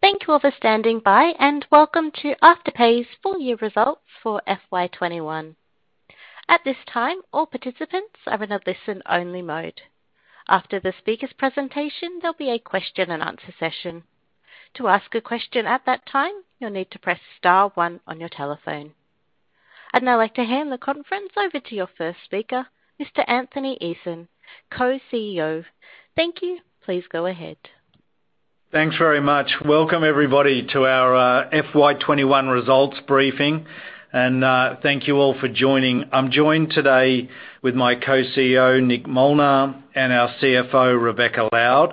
Thank you all for standing by, and welcome to Afterpay's Full Year Results for FY 2021. At this time, all participants are in a listen-only mode. After the speakers' presentation, there'll be a question and answer session. To ask a question at that time, you'll need to press star one on your telephone. I'd now like to hand the conference over to your first speaker, Mr. Anthony Eisen, Co-CEO. Thank you. Please go ahead. Thanks very much. Welcome everybody to our FY 2021 results briefing. Thank you all for joining. I'm joined today with my Co-CEO, Nick Molnar, and our CFO, Rebecca Lowde.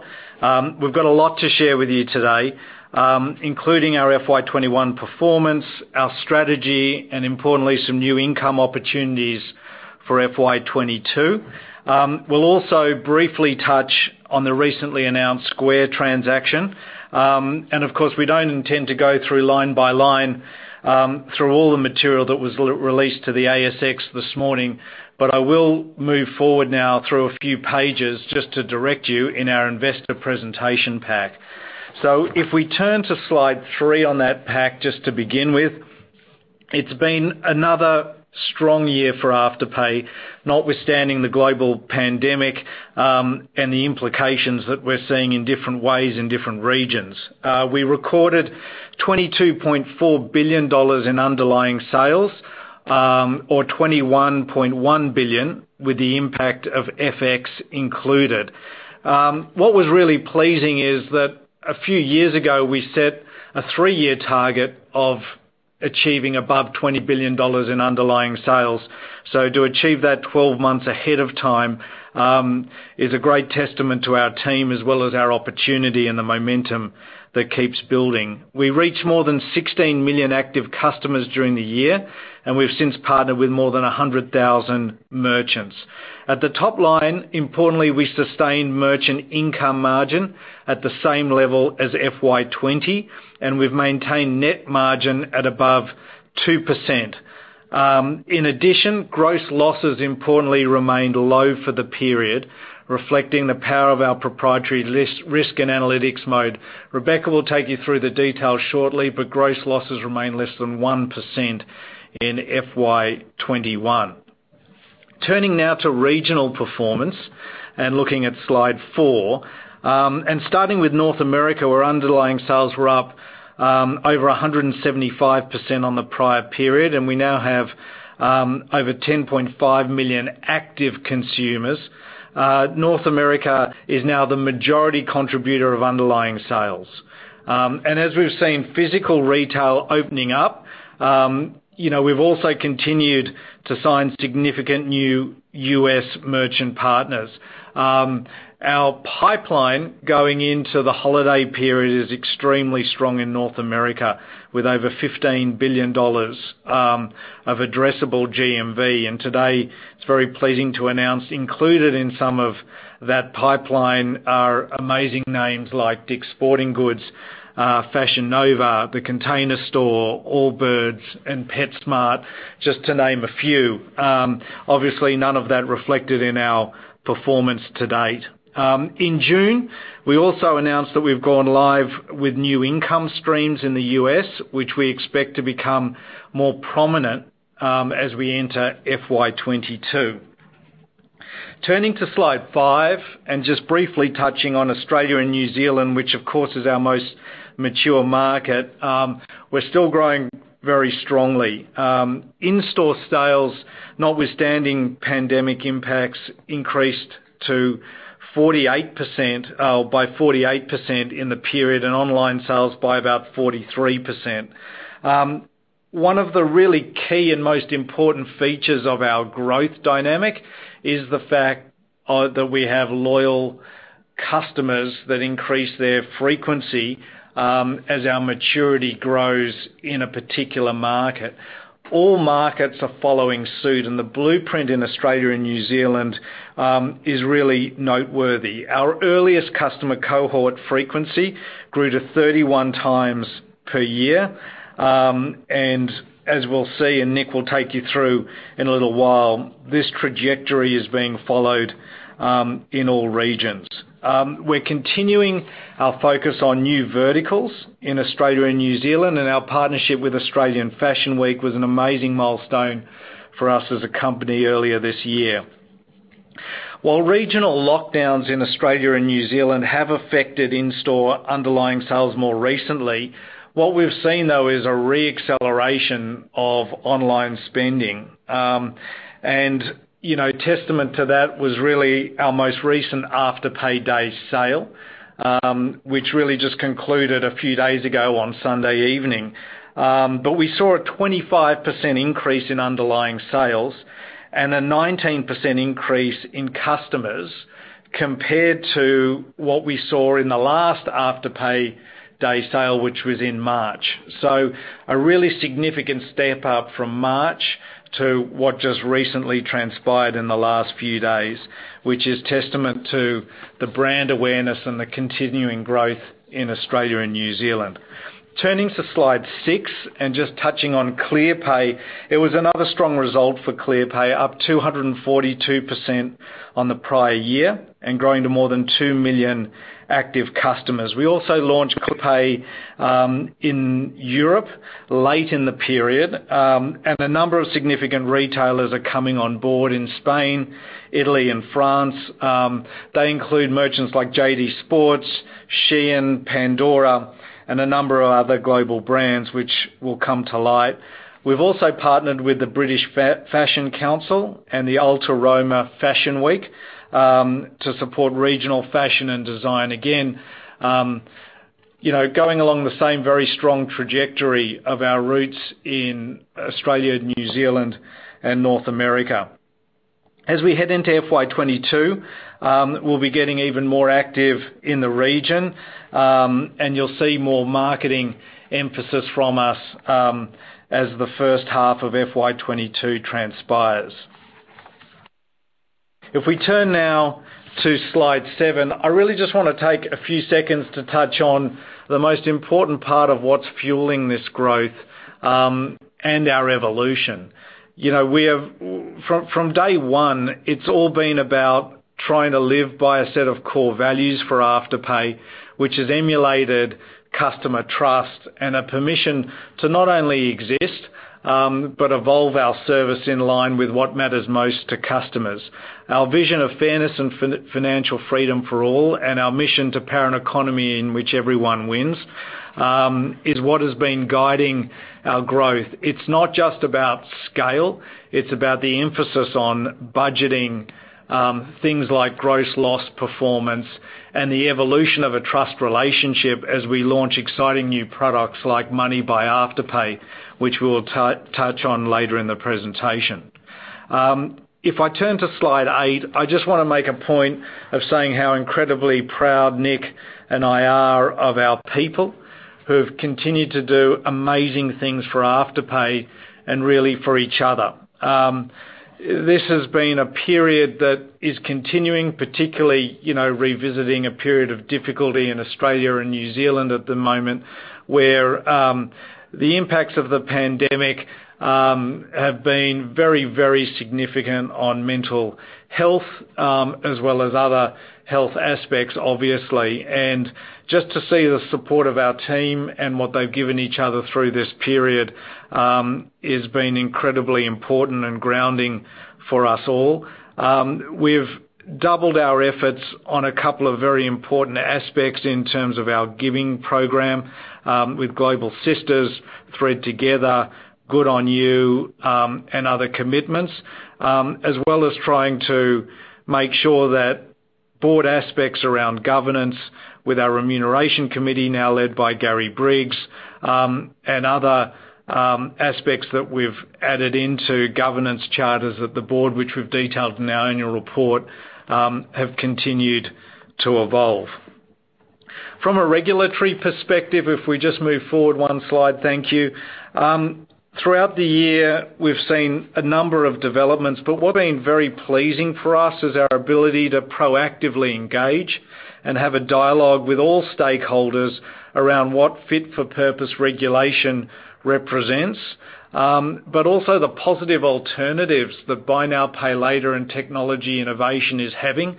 We've got a lot to share with you today, including our FY 2021 performance, our strategy, and importantly, some new income opportunities for FY 2022. We'll also briefly touch on the recently announced Square transaction. Of course, we don't intend to go through line by line through all the material that was released to the ASX this morning. I will move forward now through a few pages just to direct you in our investor presentation pack. If we turn to slide three on that pack just to begin with, it's been another strong year for Afterpay, notwithstanding the global pandemic, and the implications that we're seeing in different ways in different regions. We recorded 22.4 billion dollars in underlying sales, or 21.1 billion with the impact of FX included. What was really pleasing is that a few years ago we set a three-year target of achieving above 20 billion dollars in underlying sales. To achieve that 12 months ahead of time is a great testament to our team as well as our opportunity and the momentum that keeps building. We reached more than 16 million active customers during the year, and we've since partnered with more than 100,000 merchants. At the top line, importantly, we sustained merchant income margin at the same level as FY 2020, and we've maintained net margin at above 2%. In addition, gross losses importantly remained low for the period, reflecting the power of our proprietary risk and analytics model. Rebecca will take you through the details shortly, but gross losses remain less than 1% in FY 2021. Turning now to regional performance and looking at slide four. Starting with North America, where underlying sales were up over 175% on the prior period, and we now have over 10.5 million active consumers. North America is now the majority contributor of underlying sales. As we've seen physical retail opening up, we've also continued to sign significant new U.S. merchant partners. Our pipeline going into the holiday period is extremely strong in North America, with over 15 billion dollars of addressable GMV. Today it's very pleasing to announce included in some of that pipeline are amazing names like Dick's Sporting Goods, Fashion Nova, The Container Store, Allbirds, and PetSmart, just to name a few. Obviously, none of that reflected in our performance to date. In June, we also announced that we've gone live with new income streams in the U.S., which we expect to become more prominent as we enter FY 2022. Turning to slide five and just briefly touching on Australia and New Zealand, which of course is our most mature market. We're still growing very strongly. In-store sales, notwithstanding pandemic impacts, increased to 48% by 48% in the period, and online sales by about 43%. One of the really key and most important features of our growth dynamic is the fact that we have loyal customers that increase their frequency as our maturity grows in a particular market. All markets are following suit, the blueprint in Australia and New Zealand is really noteworthy. Our earliest customer cohort frequency grew to 31 times per year. As we'll see, Nick will take you through in a little while, this trajectory is being followed in all regions. We're continuing our focus on new verticals in Australia and New Zealand, our partnership with Australian Fashion Week was an amazing milestone for us as a company earlier this year. While regional lockdowns in Australia and New Zealand have affected in-store underlying sales more recently, what we've seen though is a re-acceleration of online spending. Testament to that was really our most recent Afterpay Day sale, which really just concluded a few days ago on Sunday evening. We saw a 25% increase in underlying sales and a 19% increase in customers compared to what we saw in the last Afterpay Day sale, which was in March. A really significant step up from March to what just recently transpired in the last few days, which is testament to the brand awareness and the continuing growth in Australia and New Zealand. Turning to Slide six and just touching on Clearpay. It was another strong result for Clearpay, up 242% on the prior year and growing to more than 2 million active customers. We also launched Clearpay in Europe late in the period, and a number of significant retailers are coming on board in Spain, Italy, and France. They include merchants like JD Sports, Shein, Pandora, and a number of other global brands which will come to light. We've also partnered with the British Fashion Council and the AltaRoma Fashion Week to support regional fashion and design. Again, going along the same very strong trajectory of our roots in Australia, New Zealand, and North America. As we head into FY 2022, we'll be getting even more active in the region, and you'll see more marketing emphasis from us as the first half of FY 2022 transpires. If we turn now to Slide seven, I really just want to take a few seconds to touch on the most important part of what's fueling this growth and our evolution. From day one, it's all been about trying to live by a set of core values for Afterpay, which has emulated customer trust and a permission to not only exist but evolve our service in line with what matters most to customers. Our vision of fairness and financial freedom for all and our mission to power an economy in which everyone wins is what has been guiding our growth. It's not just about scale, it's about the emphasis on budgeting, things like gross loss performance, and the evolution of a trust relationship as we launch exciting new products like Money by Afterpay, which we'll touch on later in the presentation. If I turn to Slide eight, I just want to make a point of saying how incredibly proud Nick and I are of our people, who have continued to do amazing things for Afterpay and really for each other. This has been a period that is continuing, particularly revisiting a period of difficulty in Australia and New Zealand at the moment, where the impacts of the pandemic have been very, very significant on mental health, as well as other health aspects, obviously. Just to see the support of our team and what they've given each other through this period has been incredibly important and grounding for us all. We've doubled our efforts on a couple of very important aspects in terms of our giving program with Global Sisters, Thread Together, Good On You, and other commitments, as well as trying to make sure that board aspects around governance with our remuneration committee now led by Gary Briggs, and other aspects that we've added into governance charters at the board, which we've detailed in our annual report, have continued to evolve. From a regulatory perspective, if we just move forward one slide. Thank you. Throughout the year, we've seen a number of developments, what's been very pleasing for us is our ability to proactively engage and have a dialogue with all stakeholders around what fit for purpose regulation represents. Also the positive alternatives that buy now, pay later and technology innovation is having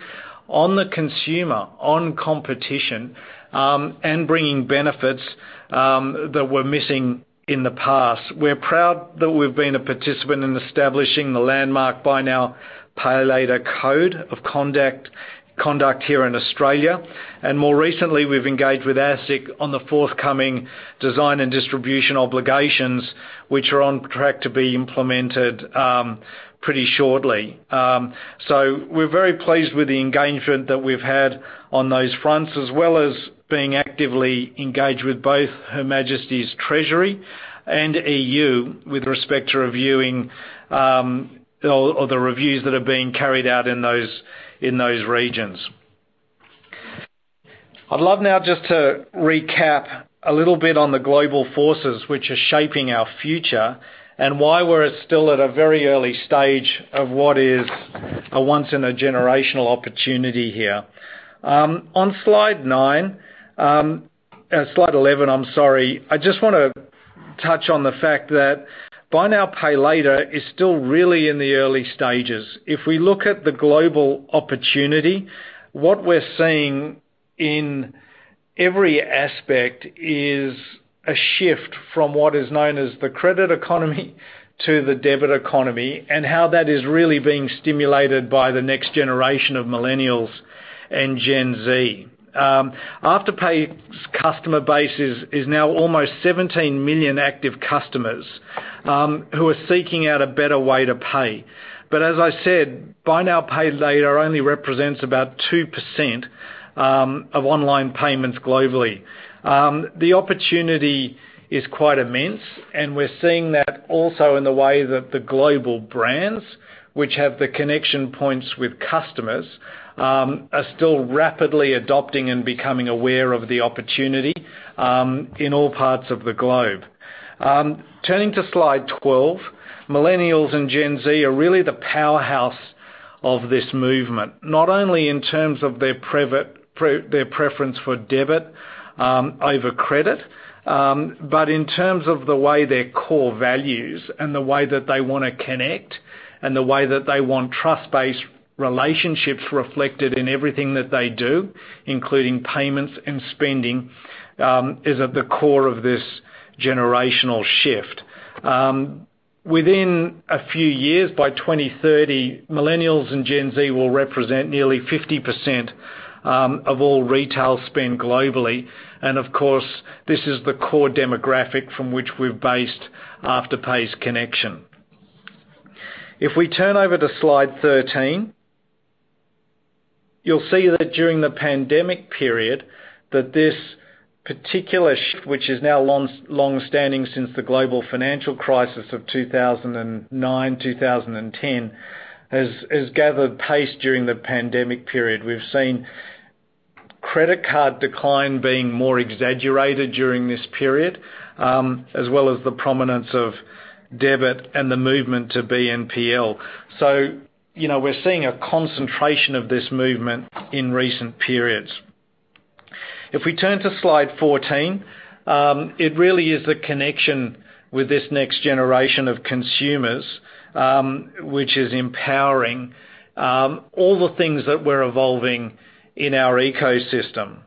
on the consumer, on competition, and bringing benefits that were missing in the past. We're proud that we've been a participant in establishing the landmark Buy Now Pay Later Code of conduct here in Australia, more recently, we've engaged with ASIC on the forthcoming Design and Distribution Obligations, which are on track to be implemented pretty shortly. We're very pleased with the engagement that we've had on those fronts, as well as being actively engaged with both Her Majesty's Treasury and E.U with respect to reviewing or the reviews that are being carried out in those regions. I'd love now just to recap a little bit on the global forces which are shaping our future and why we're still at a very early stage of what is a once in a generational opportunity here. On slide nine, Slide 11, I'm sorry. I just want to touch on the fact that buy now, pay later is still really in the early stages. If we look at the global opportunity, what we're seeing in every aspect is a shift from what is known as the credit economy to the debit economy, and how that is really being stimulated by the next generation of Millennials and Gen Z. Afterpay's customer base is now almost 17 million active customers who are seeking out a better way to pay. As I said, buy now, pay later only represents about 2% of online payments globally. The opportunity is quite immense, and we're seeing that also in the way that the global brands, which have the connection points with customers, are still rapidly adopting and becoming aware of the opportunity in all parts of the globe. Turning to Slide 12, Millennials and Gen Z are really the powerhouse of this movement, not only in terms of their preference for debit over credit, but in terms of the way their core values and the way that they want to connect and the way that they want trust-based relationships reflected in everything that they do, including payments and spending, is at the core of this generational shift. Within a few years, by 2030, Millennials and Gen Z will represent nearly 50% of all retail spend globally. Of course, this is the core demographic from which we've based Afterpay's connection. If we turn over to slide 13, you'll see that during the pandemic period that this particular shift, which is now longstanding since the global financial crisis of 2009, 2010, has gathered pace during the pandemic period. We've seen credit card decline being more exaggerated during this period, as well as the prominence of debit and the movement to BNPL. We're seeing a concentration of this movement in recent periods. If we turn to slide 14, it really is the connection with this next generation of consumers, which is empowering all the things that we're evolving in our ecosystem.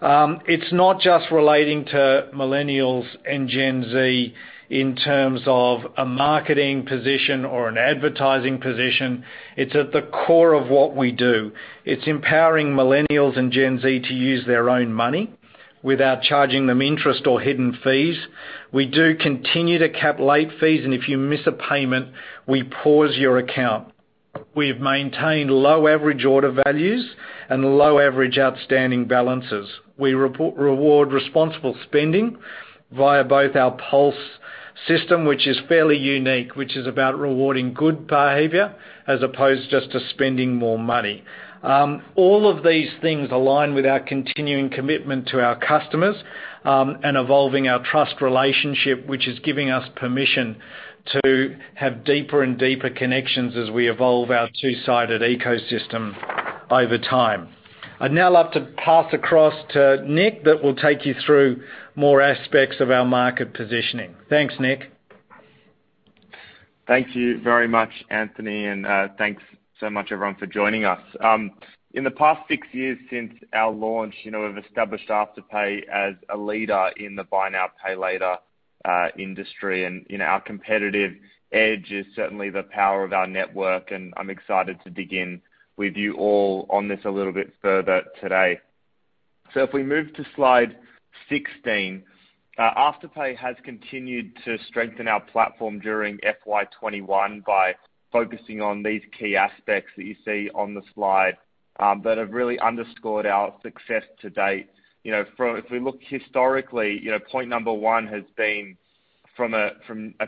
It's not just relating to Millennials and Gen Z in terms of a marketing position or an advertising position. It's at the core of what we do. It's empowering Millennials and Gen Z to use their own money without charging them interest or hidden fees. We do continue to cap late fees, and if you miss a payment, we pause your account. We've maintained low average order values and low average outstanding balances. We reward responsible spending via both our Pulse System, which is fairly unique, which is about rewarding good behavior as opposed just to spending more money. All of these things align with our continuing commitment to our customers, and evolving our trust relationship, which is giving us permission to have deeper and deeper connections as we evolve our two-sided ecosystem over time. I'd now love to pass across to Nick, that will take you through more aspects of our market positioning. Thanks, Nick. Thank you very much, Anthony, and thanks so much everyone for joining us. In the past six years since our launch, we've established Afterpay as a leader in the buy now, pay later industry. Our competitive edge is certainly the power of our network, and I'm excited to dig in with you all on this a little bit further today. If we move to slide 16, Afterpay has continued to strengthen our platform during FY 2021 by focusing on these key aspects that you see on the slide, that have really underscored our success to date. If we look historically, point number one has been from a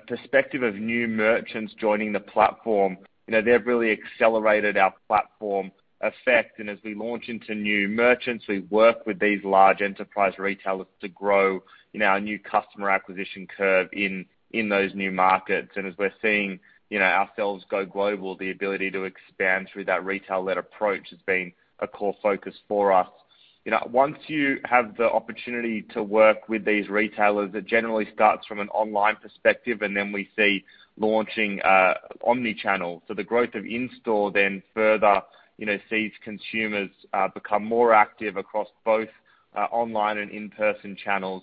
perspective of new merchants joining the platform. They've really accelerated our platform effect. As we launch into new merchants, we work with these large enterprise retailers to grow our new customer acquisition curve in those new markets. As we're seeing ourselves go global, the ability to expand through that retail-led approach has been a core focus for us. Once you have the opportunity to work with these retailers, it generally starts from an online perspective, and then we see launching omni-channel. The growth of in-store then further sees consumers become more active across both online and in-person channels.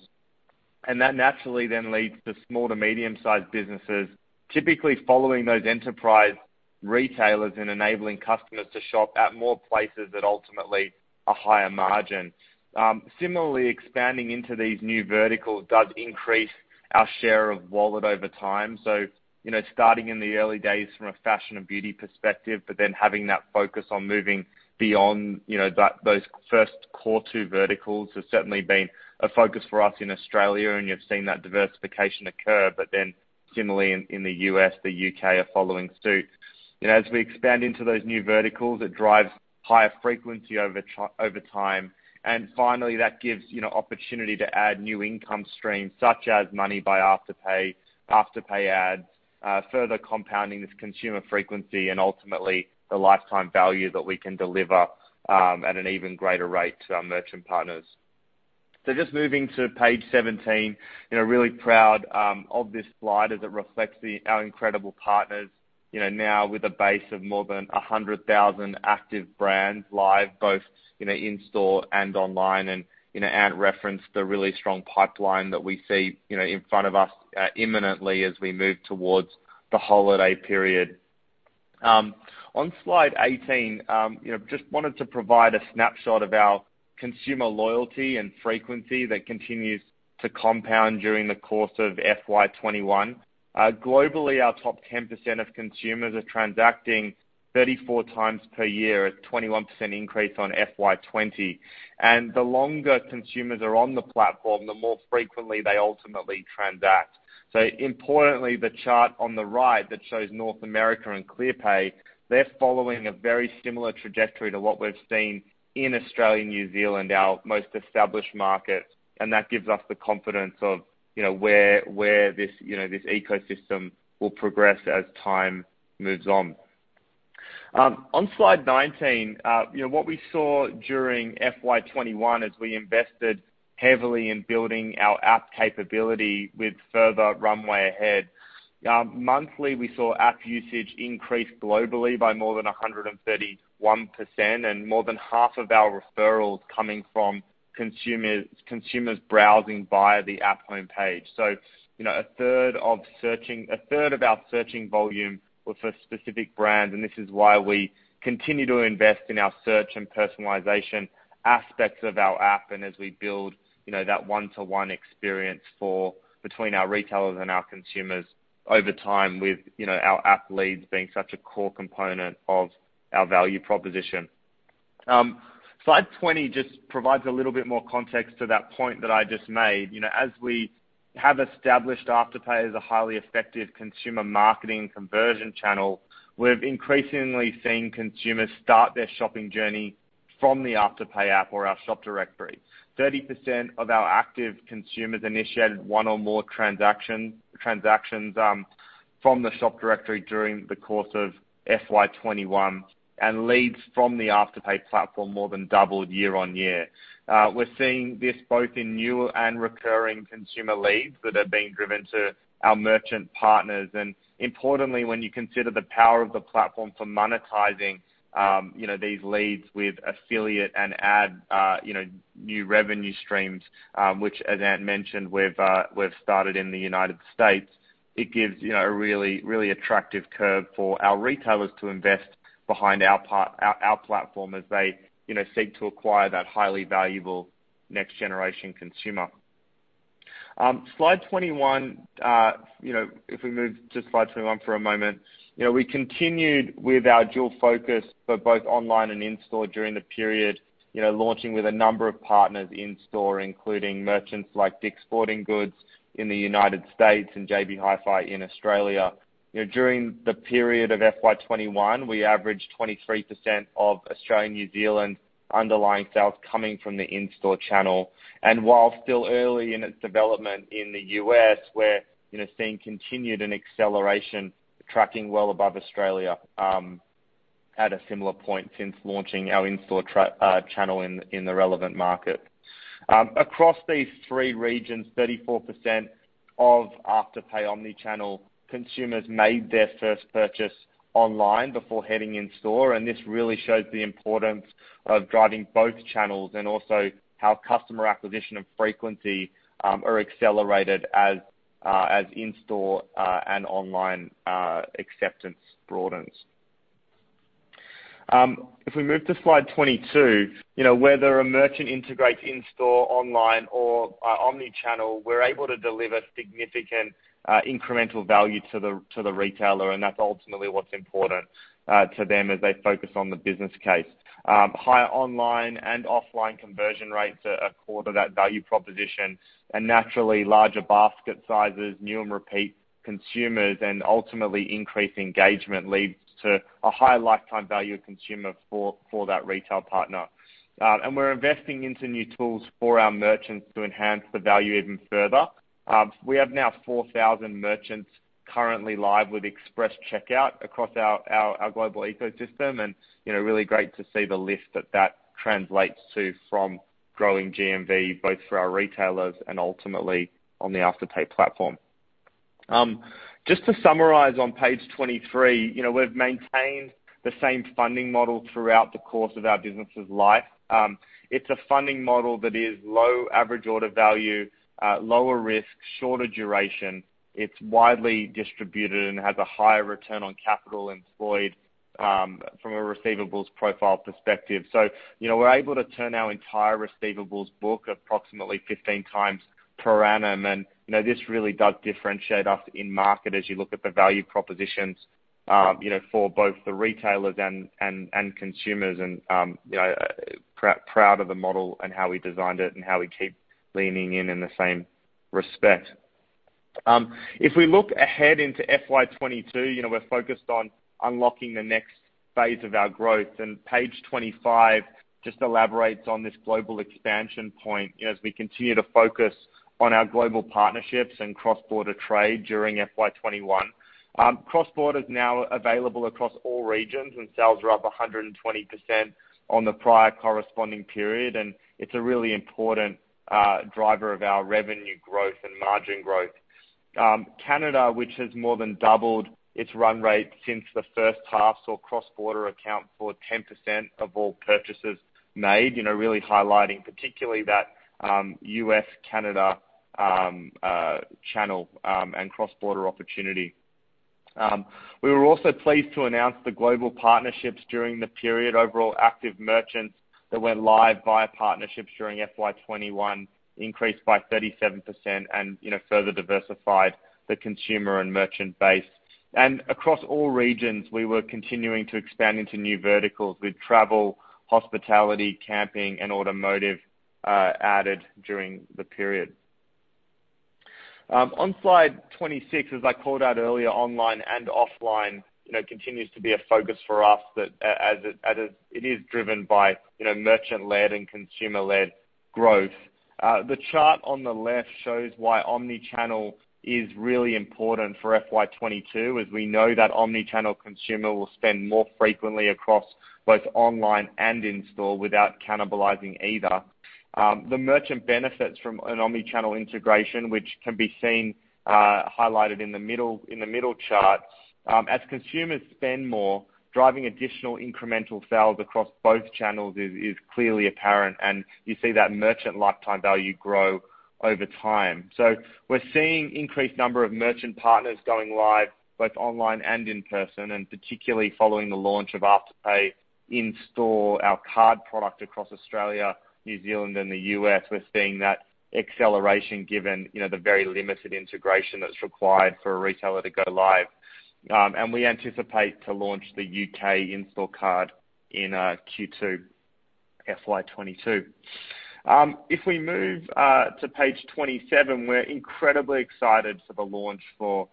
That naturally then leads to small to medium-sized businesses, typically following those enterprise retailers and enabling customers to shop at more places at ultimately a higher margin. Similarly, expanding into these new verticals does increase our share of wallet over time. Starting in the early days from a fashion and beauty perspective, but then having that focus on moving beyond those first core two verticals has certainly been a focus for us in Australia, and you've seen that diversification occur. Similarly in the U.S., the U.K. are following suit. As we expand into those new verticals, it drives higher frequency over time. Finally, that gives opportunity to add new income streams such as Money by Afterpay Ads, further compounding this consumer frequency and ultimately the lifetime value that we can deliver at an even greater rate to our merchant partners. Just moving to page 17. Really proud of this slide as it reflects our incredible partners. Now with a base of more than 100,000 active brands live, both in-store and online. Ant referenced the really strong pipeline that we see in front of us imminently as we move towards the holiday period. On slide 18, just wanted to provide a snapshot of our consumer loyalty and frequency that continues to compound during the course of FY 2021. Globally, our top 10% of consumers are transacting 34 times per year, a 21% increase on FY 2020. The longer consumers are on the platform, the more frequently they ultimately transact. Importantly, the chart on the right that shows North America and Clearpay, they're following a very similar trajectory to what we've seen in Australia and New Zealand, our most established market, and that gives us the confidence of where this ecosystem will progress as time moves on. On slide 19, what we saw during FY 2021 is we invested heavily in building our app capability with further runway ahead. Monthly, we saw app usage increase globally by more than 131%, and more than half of our referrals coming from consumers browsing via the app homepage. A third of our searching volume was for specific brands, and this is why we continue to invest in our search and personalization aspects of our app, and as we build that one-to-one experience between our retailers and our consumers over time with our app leads being such a core component of our value proposition. Slide 20 just provides a little bit more context to that point that I just made. As we have established Afterpay as a highly effective consumer marketing conversion channel, we've increasingly seen consumers start their shopping journey from the Afterpay app or our shop directory. 30% of our active consumers initiated one or more transactions from the shop directory during the course of FY 2021, and leads from the Afterpay platform more than doubled year-on-year. We're seeing this both in new and recurring consumer leads that are being driven to our merchant partners. Importantly, when you consider the power of the platform for monetizing these leads with affiliate and ad new revenue streams, which as Ant mentioned, we've started in the United States, it gives a really attractive curve for our retailers to invest behind our platform as they seek to acquire that highly valuable next-generation consumer. We move to slide 21 for a moment. We continued with our dual focus for both online and in-store during the period, launching with a number of partners in store, including merchants like Dick's Sporting Goods in the United States and JB Hi-Fi in Australia. During the period of FY 2021, we averaged 23% of Australian/New Zealand underlying sales coming from the in-store channel. While still early in its development in the U.S., we're seeing continued and acceleration tracking well above Australia at a similar point since launching our in-store channel in the relevant market. Across these three regions, 34% of Afterpay omni-channel consumers made their first purchase online before heading in store. This really shows the importance of driving both channels, and also how customer acquisition and frequency are accelerated as in-store and online acceptance broadens. If we move to slide 22, whether a merchant integrates in-store, online or, omni-channel, we're able to deliver significant incremental value to the retailer, and that's ultimately what's important to them as they focus on the business case. Higher online and offline conversion rates are core to that value proposition, and naturally, larger basket sizes, new and repeat consumers, and ultimately increased engagement leads to a higher lifetime value of consumer for that retail partner. We're investing into new tools for our merchants to enhance the value even further. We have now 4,000 merchants currently live with Express Checkout across our global ecosystem, and really great to see the lift that that translates to from growing GMV, both for our retailers and ultimately on the Afterpay platform. Just to summarize on page 23, we've maintained the same funding model throughout the course of our business's life. It's a funding model that is low average order value, lower risk, shorter duration. It's widely distributed and has a higher return on capital employed from a receivables profile perspective. We're able to turn our entire receivables book approximately 15 times per annum. This really does differentiate us in market as you look at the value propositions for both the retailers and consumers. Proud of the model and how we designed it and how we keep leaning in in the same respect. If we look ahead into FY 2022, we're focused on unlocking the next phase of our growth. Page 25 just elaborates on this global expansion point as we continue to focus on our global partnerships and cross-border trade during FY 2021. Cross-border is now available across all regions, and sales are up 120% on the prior corresponding period. It's a really important driver of our revenue growth and margin growth. Canada, which has more than doubled its run rate since the first half, saw cross-border account for 10% of all purchases made, really highlighting particularly that U.S.-Canada channel and cross-border opportunity. We were also pleased to announce the global partnerships during the period. Overall, active merchants that went live via partnerships during FY 2021 increased by 37% and further diversified the consumer and merchant base. Across all regions, we were continuing to expand into new verticals, with travel, hospitality, camping, and automotive added during the period. On slide 26, as I called out earlier, online and offline continues to be a focus for us that as it is driven by merchant-led and consumer-led growth. The chart on the left shows why omni-channel is really important for FY 2022. We know that omni-channel consumer will spend more frequently across both online and in-store without cannibalizing either. The merchant benefits from an omni-channel integration, which can be seen highlighted in the middle chart. Consumers spend more, driving additional incremental sales across both channels is clearly apparent, and you see that merchant lifetime value grow over time. We're seeing increased number of merchant partners going live both online and in person, particularly following the launch of Afterpay In-store, our card product across Australia, New Zealand and the U.S. We're seeing that acceleration given the very limited integration that's required for a retailer to go live. We anticipate to launch the U.K. in-store card in Q2 FY 2022. If we move to page 27, we're incredibly excited for the launch for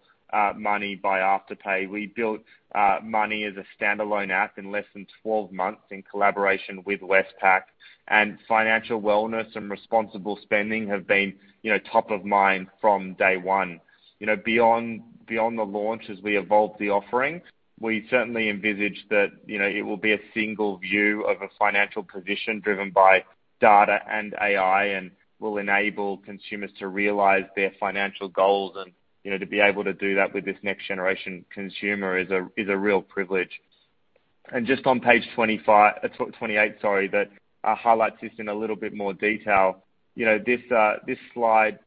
Money by Afterpay. We built Money as a standalone app in less than 12 months in collaboration with Westpac. And financial wellness and responsible spending have been top of mind from day one. Beyond the launch, as we evolve the offering, we certainly envisage that it will be a single view of a financial position driven by data and AI, and will enable consumers to realize their financial goals, and to be able to do that with this next generation consumer is a real privilege. Just on page 28, that highlights this in a little bit more detail. This slide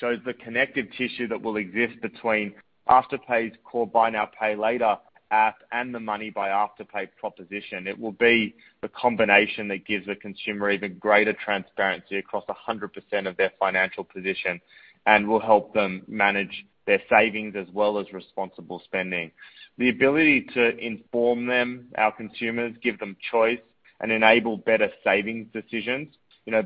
shows the connective tissue that will exist between Afterpay's core buy now, pay later app and the Money by Afterpay proposition. It will be the combination that gives the consumer even greater transparency across 100% of their financial position and will help them manage their savings as well as responsible spending. The ability to inform them, our consumers, give them choice, and enable better savings decisions.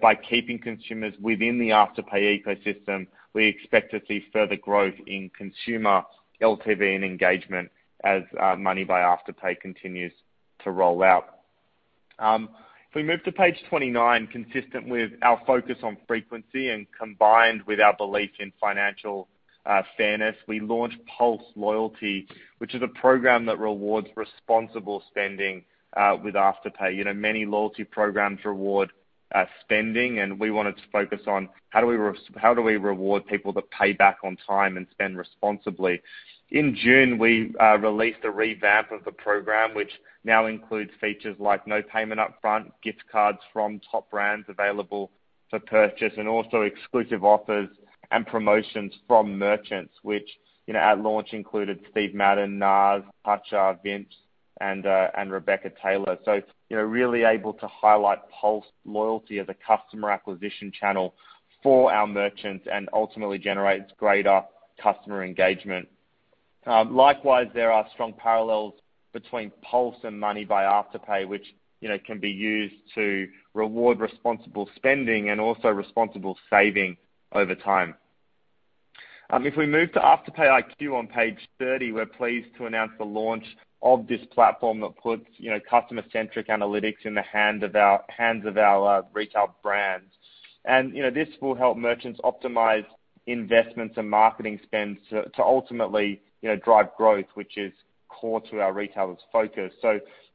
By keeping consumers within the Afterpay ecosystem, we expect to see further growth in consumer LTV and engagement as Money by Afterpay continues to roll out. If we move to page 29, consistent with our focus on frequency and combined with our belief in financial fairness, we launched Pulse Rewards, which is a program that rewards responsible spending with Afterpay. Many loyalty programs reward spending, and we wanted to focus on how do we reward people that pay back on time and spend responsibly. In June, we released a revamp of the program, which now includes features like no payment upfront, gift cards from top brands available for purchase, and also exclusive offers and promotions from merchants, which at launch included Steve Madden, NAS, Hatch, Vince and Rebecca Taylor. Really able to highlight Pulse Loyalty as a customer acquisition channel for our merchants and ultimately generates greater customer engagement. Likewise, there are strong parallels between Pulse and Money by Afterpay, which can be used to reward responsible spending and also responsible saving over time. If we move to Afterpay iQ on page 30, we're pleased to announce the launch of this platform that puts customer-centric analytics in the hands of our retail brands. This will help merchants optimize investments and marketing spends to ultimately drive growth, which is core to our retailers' focus.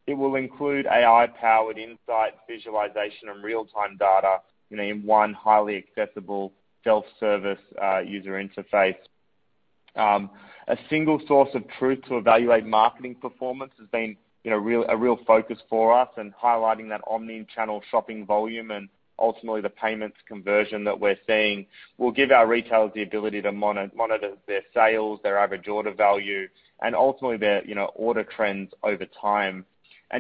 It will include AI-powered insight visualization and real-time data, in one highly accessible self-service user interface. A single source of truth to evaluate marketing performance has been a real focus for us and highlighting that omni-channel shopping volume and ultimately the payments conversion that we're seeing, will give our retailers the ability to monitor their sales, their average order value, and ultimately their order trends over time.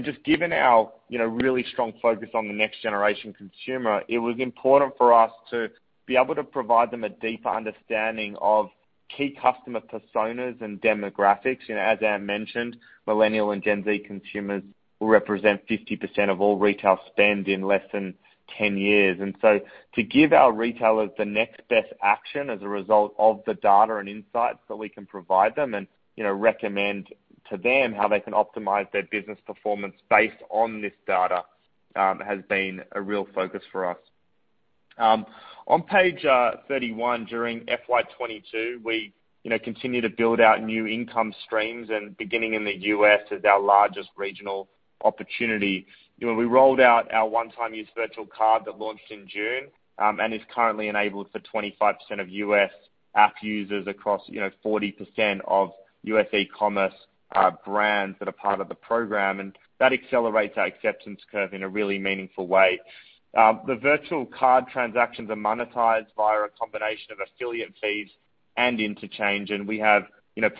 Just given our really strong focus on the next generation consumer, it was important for us to be able to provide them a deeper understanding of key customer personas and demographics. As Ant mentioned, Millennial and Gen Z consumers will represent 50% of all retail spend in less than 10 years. To give our retailers the next best action as a result of the data and insights that we can provide them and recommend to them how they can optimize their business performance based on this data, has been a real focus for us. On page 31, during FY 2022, we continue to build out new income streams and beginning in the U.S. as our largest regional opportunity. We rolled out our one-time use virtual card that launched in June, and is currently enabled for 25% of U.S. app users across 40% of U.S. e-commerce brands that are part of the program. That accelerates our acceptance curve in a really meaningful way. The virtual card transactions are monetized via a combination of affiliate fees and interchange, and we have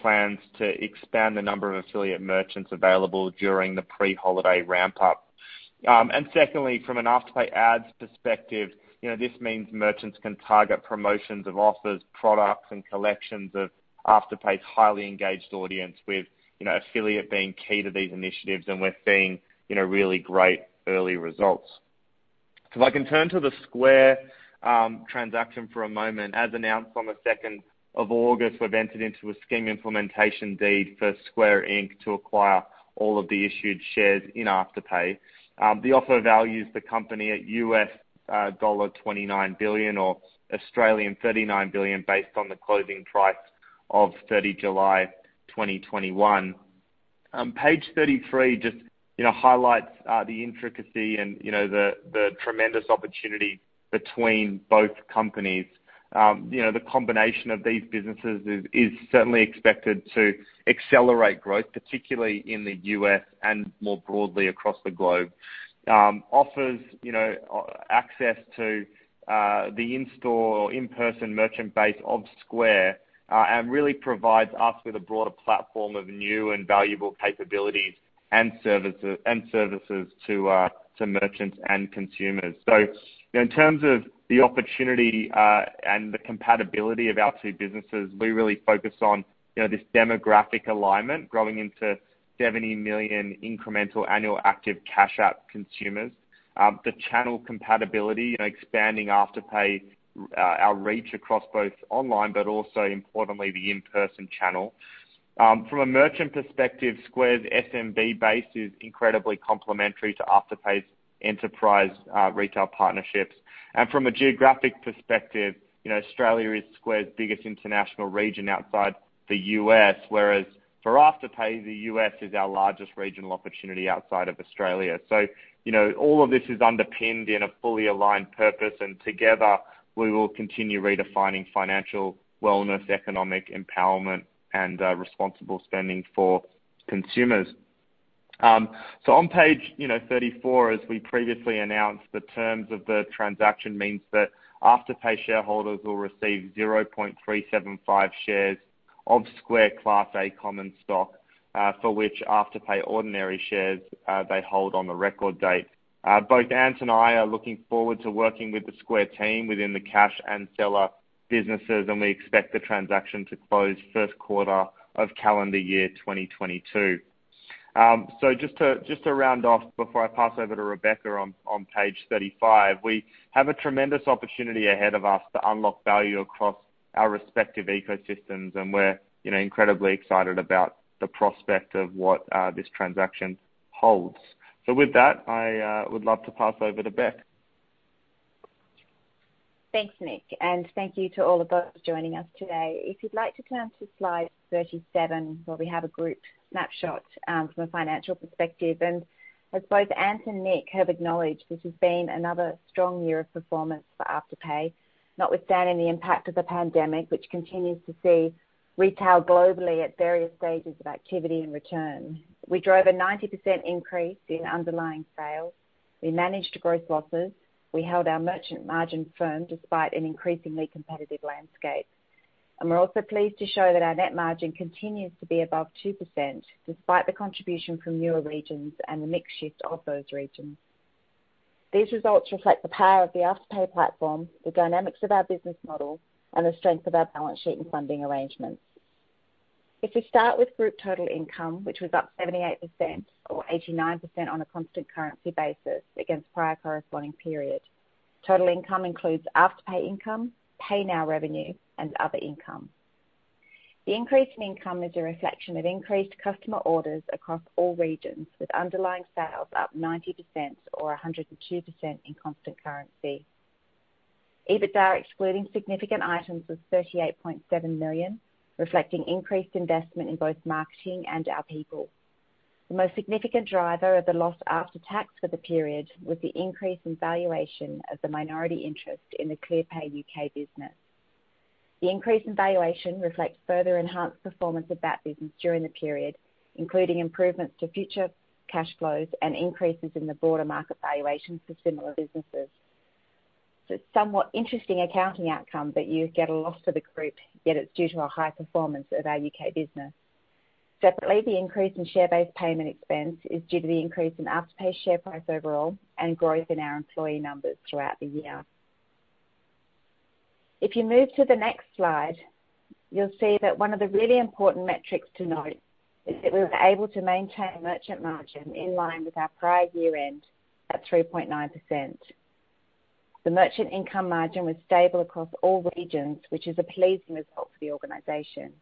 plans to expand the number of affiliate merchants available during the pre-holiday ramp-up. Secondly, from an Afterpay Ads perspective, this means merchants can target promotions of offers, products, and collections of Afterpay's highly engaged audience with affiliate being key to these initiatives, and we're seeing really great early results. If I can turn to the Square transaction for a moment. As announced on the 2nd of August, we've entered into a scheme implementation deed for Square, Inc. to acquire all of the issued shares in Afterpay. The offer values the company at $29 billion or 39 billion based on the closing price of 30 July 2021. Page 33 just highlights the intricacy and the tremendous opportunity between both companies. The combination of these businesses is certainly expected to accelerate growth, particularly in the U.S. and more broadly across the globe. Offers access to the in-store or in-person merchant base of Square, and really provides us with a broader platform of new and valuable capabilities and services to merchants and consumers. In terms of the opportunity and the compatibility of our two businesses, we really focus on this demographic alignment, growing into 70 million incremental annual active Cash App consumers. The channel compatibility, expanding Afterpay, our reach across both online, but also importantly, the in-person channel. From a merchant perspective, Square's SMB base is incredibly complementary to Afterpay's enterprise retail partnerships. From a geographic perspective, Australia is Square's biggest international region outside the U.S., whereas for Afterpay, the U.S. is our largest regional opportunity outside of Australia. All of this is underpinned in a fully aligned purpose, and together we will continue redefining financial wellness, economic empowerment, and responsible spending for consumers. On page 34, as we previously announced, the terms of the transaction means that Afterpay shareholders will receive 0.375 shares of Square Class A common stock, for which Afterpay ordinary shares they hold on the record date. Both Ant and I are looking forward to working with the Square team within the Cash App and seller businesses, and we expect the transaction to close first quarter of calendar year 2022. Just to round off before I pass over to Rebecca on page 35. We have a tremendous opportunity ahead of us to unlock value across our respective ecosystems, and we're incredibly excited about the prospect of what this transaction holds. With that, I would love to pass over to Bec. Thanks, Nick, and thank you to all of those joining us today. If you'd like to turn to slide 37, where we have a group snapshot from a financial perspective. As both Ant and Nick have acknowledged, this has been another strong year of performance for Afterpay, notwithstanding the impact of the pandemic, which continues to see retail globally at various stages of activity and return. We drove a 90% increase in underlying sales. We managed to grow losses. We held our merchant margin firm despite an increasingly competitive landscape. We're also pleased to show that our net margin continues to be above 2% despite the contribution from newer regions and the mix shift of those regions. These results reflect the power of the Afterpay platform, the dynamics of our business model, and the strength of our balance sheet and funding arrangements. If we start with group total income, which was up 78% or 89% on a constant currency basis against prior corresponding period. Total income includes Afterpay income, Pay Now revenue, and other income. The increase in income is a reflection of increased customer orders across all regions, with underlying sales up 90% or 102% in constant currency. EBITDA, excluding significant items was 38.7 million, reflecting increased investment in both marketing and our people. The most significant driver of the loss after tax for the period was the increase in valuation of the minority interest in the Clearpay U.K. business. The increase in valuation reflects further enhanced performance of that business during the period, including improvements to future cash flows and increases in the broader market valuations for similar businesses. It's somewhat interesting accounting outcome that you get a loss for the group, yet it's due to a high performance of our U.K. business. Separately, the increase in share-based payment expense is due to the increase in Afterpay share price overall and growth in our employee numbers throughout the year. If you move to the next slide, you'll see that one of the really important metrics to note is that we were able to maintain merchant margin in line with our prior year end at 3.9%. The merchant income margin was stable across all regions, which is a pleasing result for the organization.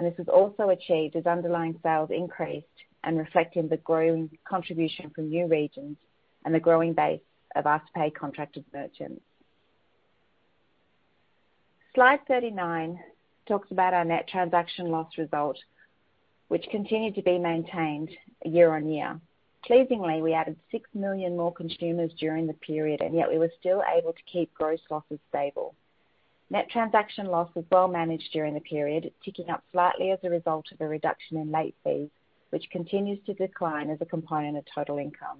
This was also achieved as underlying sales increased and reflecting the growing contribution from new regions and the growing base of Afterpay contracted merchants. Slide 39 talks about our Net Transaction Loss result, which continued to be maintained year-on-year. Pleasingly, we added 6 million more consumers during the period, and yet we were still able to keep gross losses stable. Net Transaction Loss was well managed during the period, ticking up slightly as a result of a reduction in late fees, which continues to decline as a component of total income.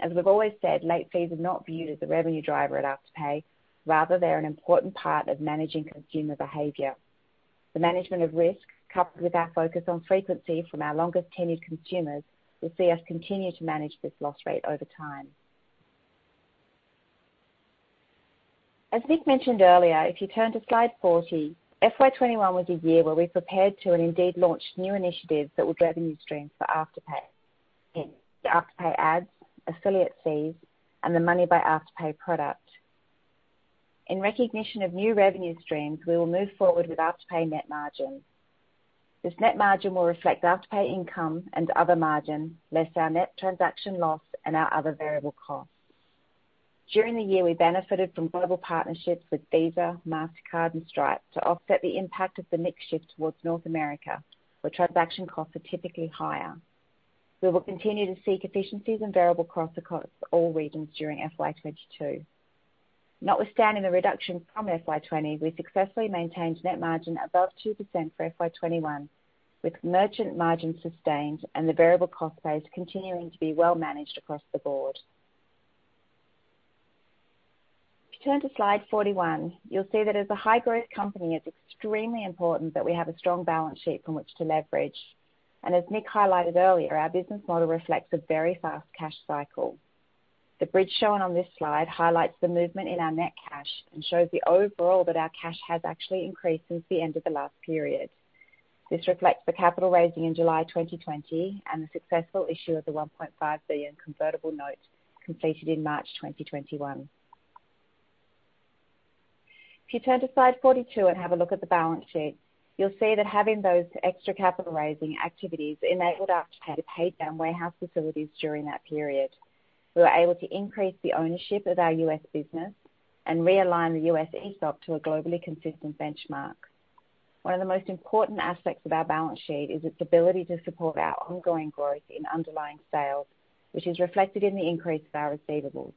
As we've always said, late fees are not viewed as a revenue driver at Afterpay. Rather, they're an important part of managing consumer behavior. The management of risk, coupled with our focus on frequency from our longest-tenured consumers, will see us continue to manage this loss rate over time. As Nick mentioned earlier, if you turn to slide 40, FY 2021 was a year where we prepared to, and indeed, launched new initiatives that were revenue streams for Afterpay. The Afterpay Ads, affiliate fees, and the Money by Afterpay product. In recognition of new revenue streams, we will move forward with Afterpay Net Margin. This Net Transaction Margin will reflect Afterpay Income and other margin, less our Net Transaction Loss and our other variable costs. During the year, we benefited from global partnerships with Visa, Mastercard, and Stripe to offset the impact of the mix shift towards North America, where transaction costs are typically higher. We will continue to seek efficiencies and variable costs across all regions during FY 2022. Notwithstanding the reduction from FY 2020, we successfully maintained Net Margin above 2% for FY 2021, with merchant margin sustained and the variable cost base continuing to be well managed across the board. If you turn to slide 41, you'll see that as a high-growth company, it's extremely important that we have a strong balance sheet from which to leverage. As Nick highlighted earlier, our business model reflects a very fast cash cycle. The bridge shown on this slide highlights the movement in our net cash and shows the overall that our cash has actually increased since the end of the last period. This reflects the capital raising in July 2020 and the successful issue of the 1.5 billion convertible note completed in March 2021. If you turn to slide 42 and have a look at the balance sheet, you'll see that having those extra capital-raising activities enabled us to pay down warehouse facilities during that period. We were able to increase the ownership of our U.S. business and realign the U.S. ESOP to a globally consistent benchmark. One of the most important aspects of our balance sheet is its ability to support our ongoing growth in underlying sales, which is reflected in the increase of our receivables.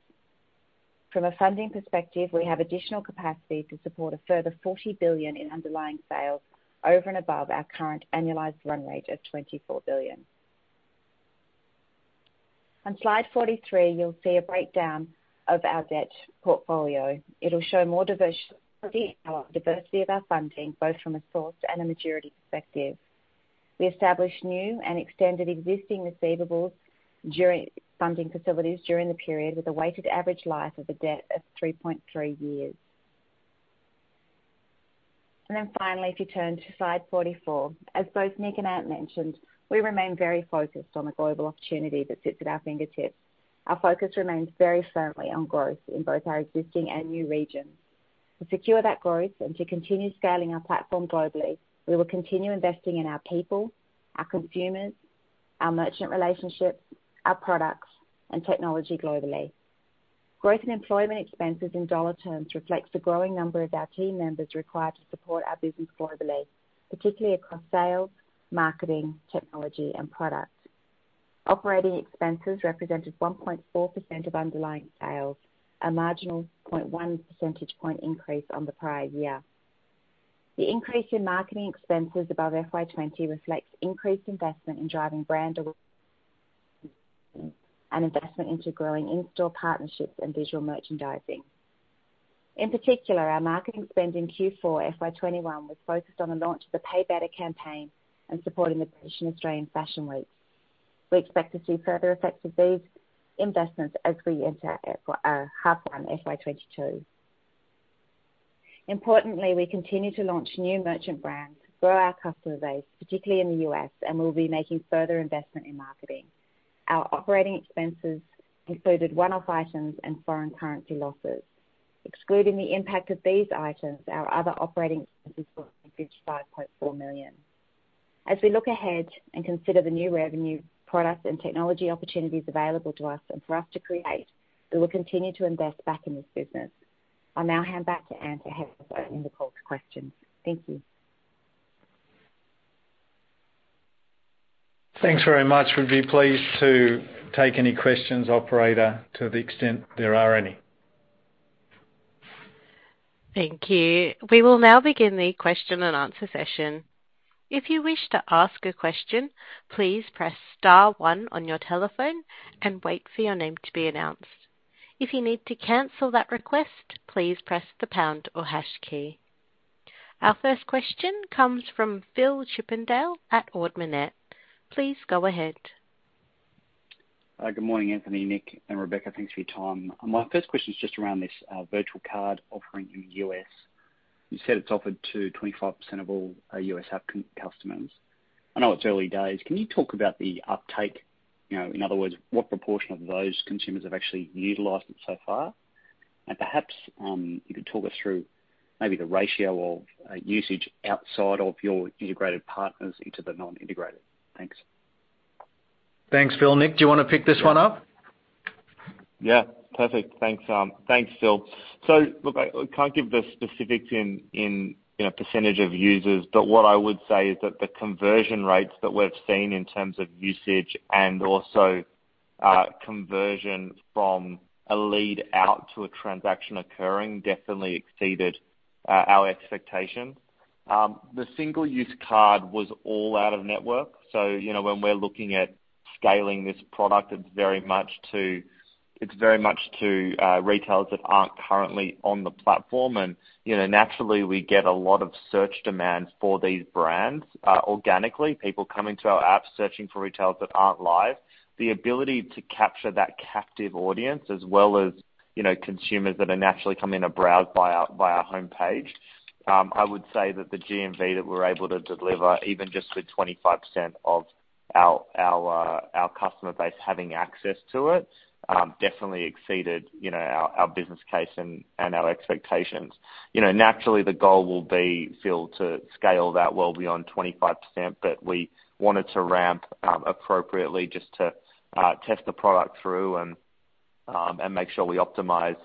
From a funding perspective, we have additional capacity to support a further 40 billion in underlying sales over and above our current annualized run rate of 24 billion. On slide 43, you'll see a breakdown of our debt portfolio. It'll show more diversity of our funding, both from a source and a maturity perspective. We established new and extended existing receivables funding facilities during the period, with a weighted average life of a debt of 3.3 years. Finally, if you turn to slide 44, as both Nick and Ant mentioned, we remain very focused on the global opportunity that sits at our fingertips. Our focus remains very firmly on growth in both our existing and new regions. To secure that growth and to continue scaling our platform globally, we will continue investing in our people, our consumers, our merchant relationships, our products, and technology globally. Growth in employment expenses in dollar terms reflects the growing number of our team members required to support our business globally, particularly across sales, marketing, technology, and products. Operating expenses represented 1.4% of underlying sales, a marginal 0.1 percentage point increase on the prior year. The increase in marketing expenses above FY 2020 reflects increased investment in driving brand awareness and investment into growing in-store partnerships and visual merchandising. In particular, our marketing spend in Q4 FY 2021 was focused on the launch of the Pay Better campaign and supporting the British and Australian Fashion Weeks. We expect to see further effects of these investments as we enter our half one FY 2022. Importantly, we continue to launch new merchant brands, grow our customer base, particularly in the U.S., and we'll be making further investment in marketing. Our operating expenses included one-off items and foreign currency losses. Excluding the impact of these items, our other operating expenses were 5.4 million. As we look ahead and consider the new revenue, products, and technology opportunities available to us and for us to create, we will continue to invest back in this business. I'll now hand back to Ant to handle our in-the-call questions. Thank you. Thanks very much. We'd be pleased to take any questions, operator, to the extent there are any. Thank you. We will now begin the question and answer session. If you wish to ask a question, please press star one on your telephone and wait for your name to be announce. If you need to cancel that request, please press the pound or hash key. Our first question comes from Phil Chippindale at Ord Minnett. Please go ahead. Good morning, Anthony, Nick, and Rebecca. Thanks for your time. My first question is just around this virtual card offering in the U.S. You said it's offered to 25% of all U.S. customers. I know it's early days. Can you talk about the uptake? In other words, what proportion of those consumers have actually utilized it so far? Perhaps, you could talk us through maybe the ratio of usage outside of your integrated partners into the non-integrated. Thanks. Thanks, Phil. Nick, do you want to pick this one up? Yeah. Perfect. Thanks, Phil. I can't give the specifics in a percentage of users. What I would say is that the conversion rates that we've seen in terms of usage and also conversion from a lead out to a transaction occurring, definitely exceeded our expectations. The single-use card was all out of network. When we're looking at scaling this product, it's very much to retailers that aren't currently on the platform. Naturally, we get a lot of search demands for these brands organically. People coming to our app, searching for retailers that aren't live. The ability to capture that captive audience as well as consumers that are naturally coming to browse via our homepage. I would say that the GMV that we're able to deliver, even just with 25% of our customer base having access to it, definitely exceeded our business case and our expectations. Naturally, the goal will be, Phil, to scale that well beyond 25%, but we wanted to ramp appropriately just to test the product through and make sure we optimize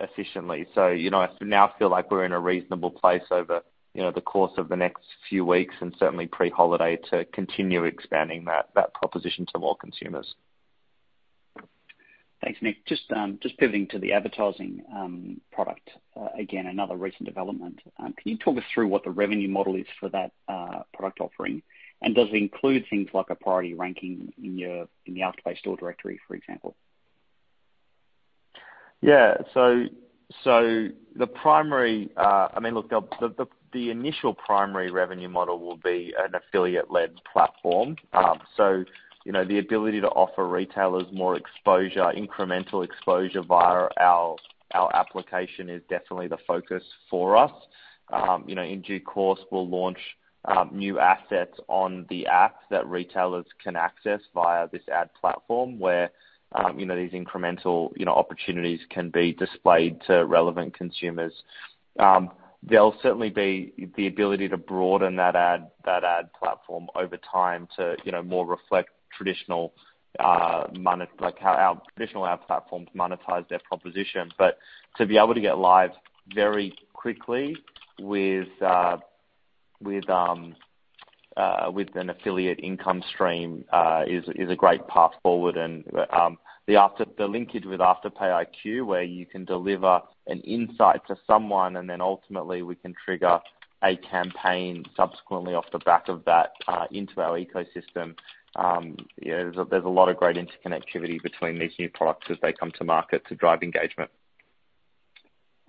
efficiently. I now feel like we're in a reasonable place over the course of the next few weeks and certainly pre-holiday to continue expanding that proposition to more consumers. Thanks, Nick. Just pivoting to the advertising product. Again, another recent development. Can you talk us through what the revenue model is for that product offering? Does it include things like a priority ranking in the Afterpay store directory, for example? Yeah. The initial primary revenue model will be an affiliate-led platform. The ability to offer retailers more exposure, incremental exposure via our application is definitely the focus for us. In due course, we'll launch new assets on the app that retailers can access via this ad platform, where these incremental opportunities can be displayed to relevant consumers. There'll certainly be the ability to broaden that ad platform over time to more reflect how our traditional ad platforms monetize their proposition. To be able to get live very quickly with an affiliate income stream, is a great path forward. The linkage with Afterpay iQ, where you can deliver an insight to someone, and then ultimately we can trigger a campaign subsequently off the back of that into our ecosystem. There's a lot of great interconnectivity between these new products as they come to market to drive engagement.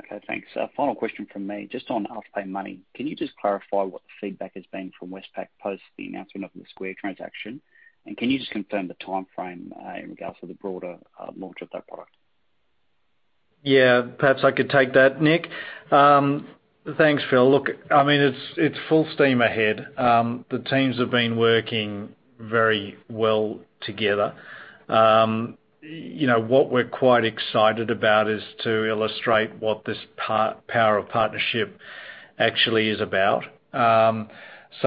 Okay, thanks. Final question from me, just on Afterpay Money. Can you just clarify what the feedback has been from Westpac post the announcement of the Square transaction? Can you just confirm the timeframe, in regards to the broader launch of that product? Yeah. Perhaps I could take that, Nick. Thanks, Phil. It's full steam ahead. The teams have been working very well together. What we're quite excited about is to illustrate what this power of partnership actually is about. It's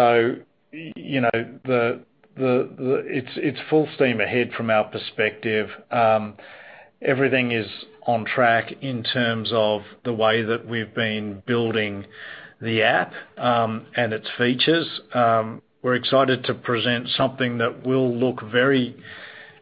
full steam ahead from our perspective. Everything is on track in terms of the way that we've been building the app, and its features. We're excited to present something that will look very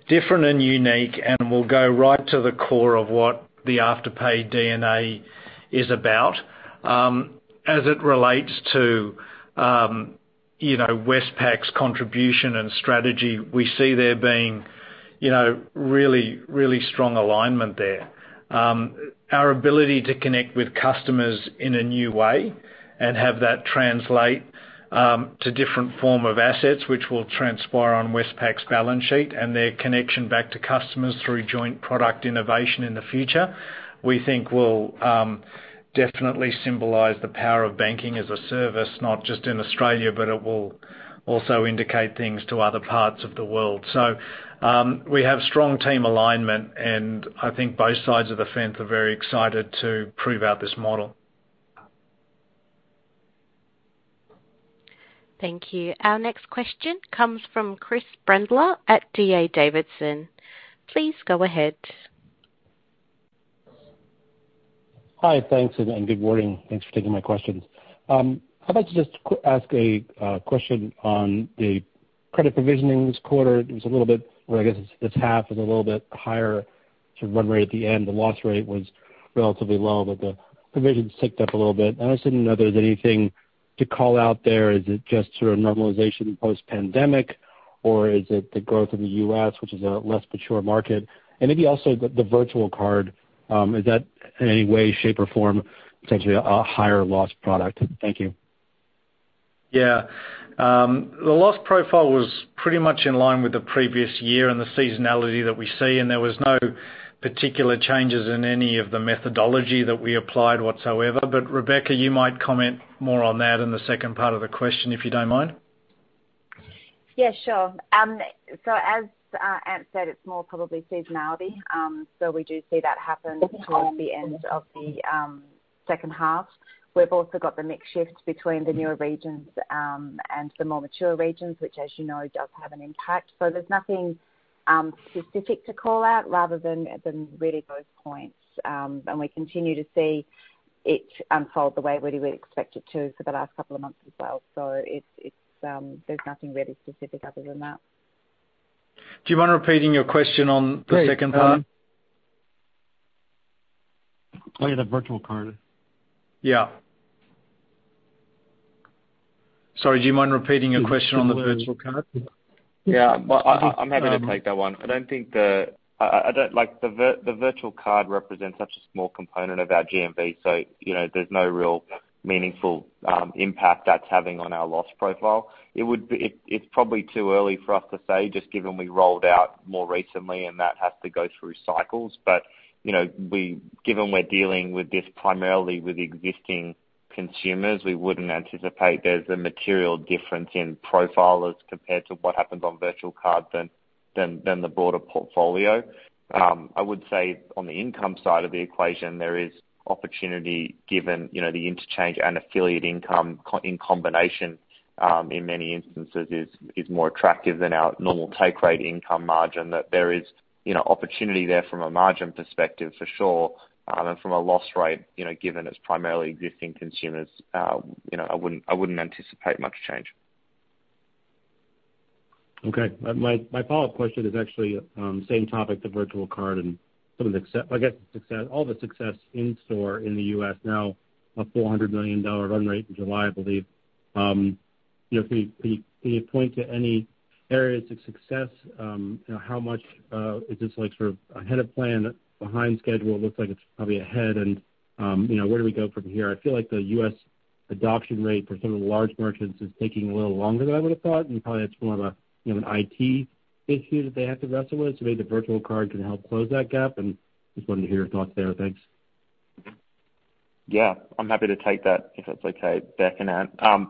different and unique, and will go right to the core of what the Afterpay DNA is about. As it relates to Westpac's contribution and strategy, we see there being really strong alignment there. Our ability to connect with customers in a new way and have that translate to different form of assets which will transpire on Westpac's balance sheet, and their connection back to customers through joint product innovation in the future, we think will definitely symbolize the power of Banking as a Service, not just in Australia, but it will also indicate things to other parts of the world. We have strong team alignment, and I think both sides of the fence are very excited to prove out this model. Thank you. Our next question comes from Chris Brendler at D.A. Davidson. Please go ahead. Hi. Thanks, and good morning. Thanks for taking my questions. I'd like to just ask a question on the credit provisionings quarter. This half is a little bit higher sort of run rate at the end. The loss rate was relatively low, but the provisions ticked up a little bit. I was wondering whether there's anything to call out there. Is it just sort of normalization post-pandemic, or is it the growth in the U.S., which is a less mature market? Maybe also the virtual card, is that in any way, shape, or form, potentially a higher loss product? Thank you. Yeah. The loss profile was pretty much in line with the previous year and the seasonality that we see, and there was no particular changes in any of the methodology that we applied whatsoever. But Rebecca, you might comment more on that in the second part of the question, if you don't mind. Yeah, sure. As Ant said, it's more probably seasonality. We do see that happen towards the end of the second half. We've also got the mix shift between the newer regions, and the more mature regions, which as you know, does have an impact. There's nothing specific to call out rather than really those points. We continue to see it unfold the way we would expect it to for the last couple of months as well. There's nothing really specific other than that. Do you mind repeating your question on the second part? Oh, yeah, the virtual card. Yeah. Sorry, do you mind repeating your question on the virtual card? Yeah. I'm happy to take that one. The virtual card represents such a small component of our GMV. There's no real meaningful impact that's having on our loss profile. It's probably too early for us to say, just given we rolled out more recently, and that has to go through cycles. Given we're dealing with this primarily with existing consumers, we wouldn't anticipate there's a material difference in profile as compared to what happens on virtual cards than the broader portfolio. I would say on the income side of the equation, there is opportunity given the interchange and affiliate income in combination, in many instances is more attractive than our normal take rate income margin that there is opportunity there from a margin perspective, for sure. From a loss rate, given it's primarily existing consumers, I wouldn't anticipate much change. Okay. My follow-up question is actually same topic, the virtual card and all the success in-store in the U.S. now, a $400 million run rate in July, I believe. Can you point to any areas of success? How much is this ahead of plan, behind schedule? It looks like it's probably ahead. Where do we go from here? I feel like the U.S. adoption rate for some of the large merchants is taking a little longer than I would've thought, and probably that's more of an IT issue that they have to wrestle with. Maybe the virtual card can help close that gap. Just wanted to hear your thoughts there. Thanks. Yeah. I'm happy to take that if that's okay, Bec and Ant. I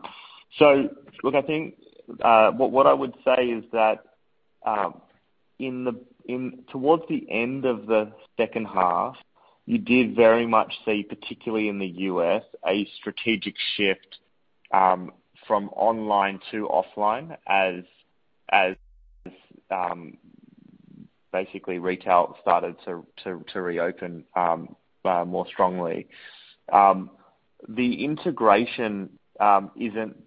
think what I would say is that towards the end of the second half, you did very much see, particularly in the U.S., a strategic shift from online to offline as basically retail started to reopen more strongly. The integration isn't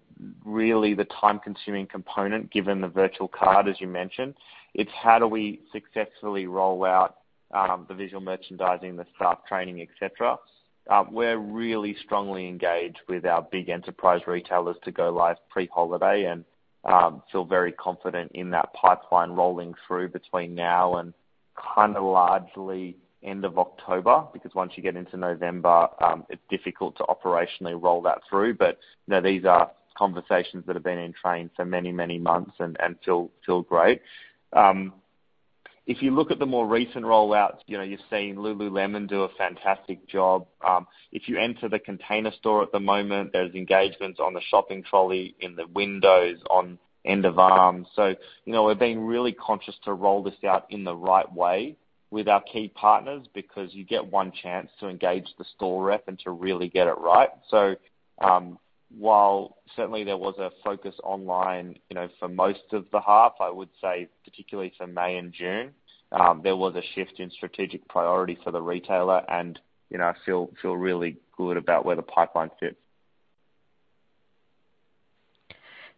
really the time-consuming component given the virtual card, as you mentioned. It's how do we successfully roll out the visual merchandising, the staff training, et cetera. We're really strongly engaged with our big enterprise retailers to go live pre-holiday and feel very confident in that pipeline rolling through between now and kind of largely end of October. Once you get into November, it's difficult to operationally roll that through. These are conversations that have been in train for many, many months and feel great. If you look at the more recent rollouts, you're seeing Lululemon do a fantastic job. If you enter The Container Store at the moment, there's engagements on the shopping trolley, in the windows, on end of arms. We're being really conscious to roll this out in the right way with our key partners because you get one chance to engage the store rep and to really get it right. While certainly there was a focus online, for most of the half, I would say particularly for May and June, there was a shift in strategic priority for the retailer, and I feel really good about where the pipeline sits.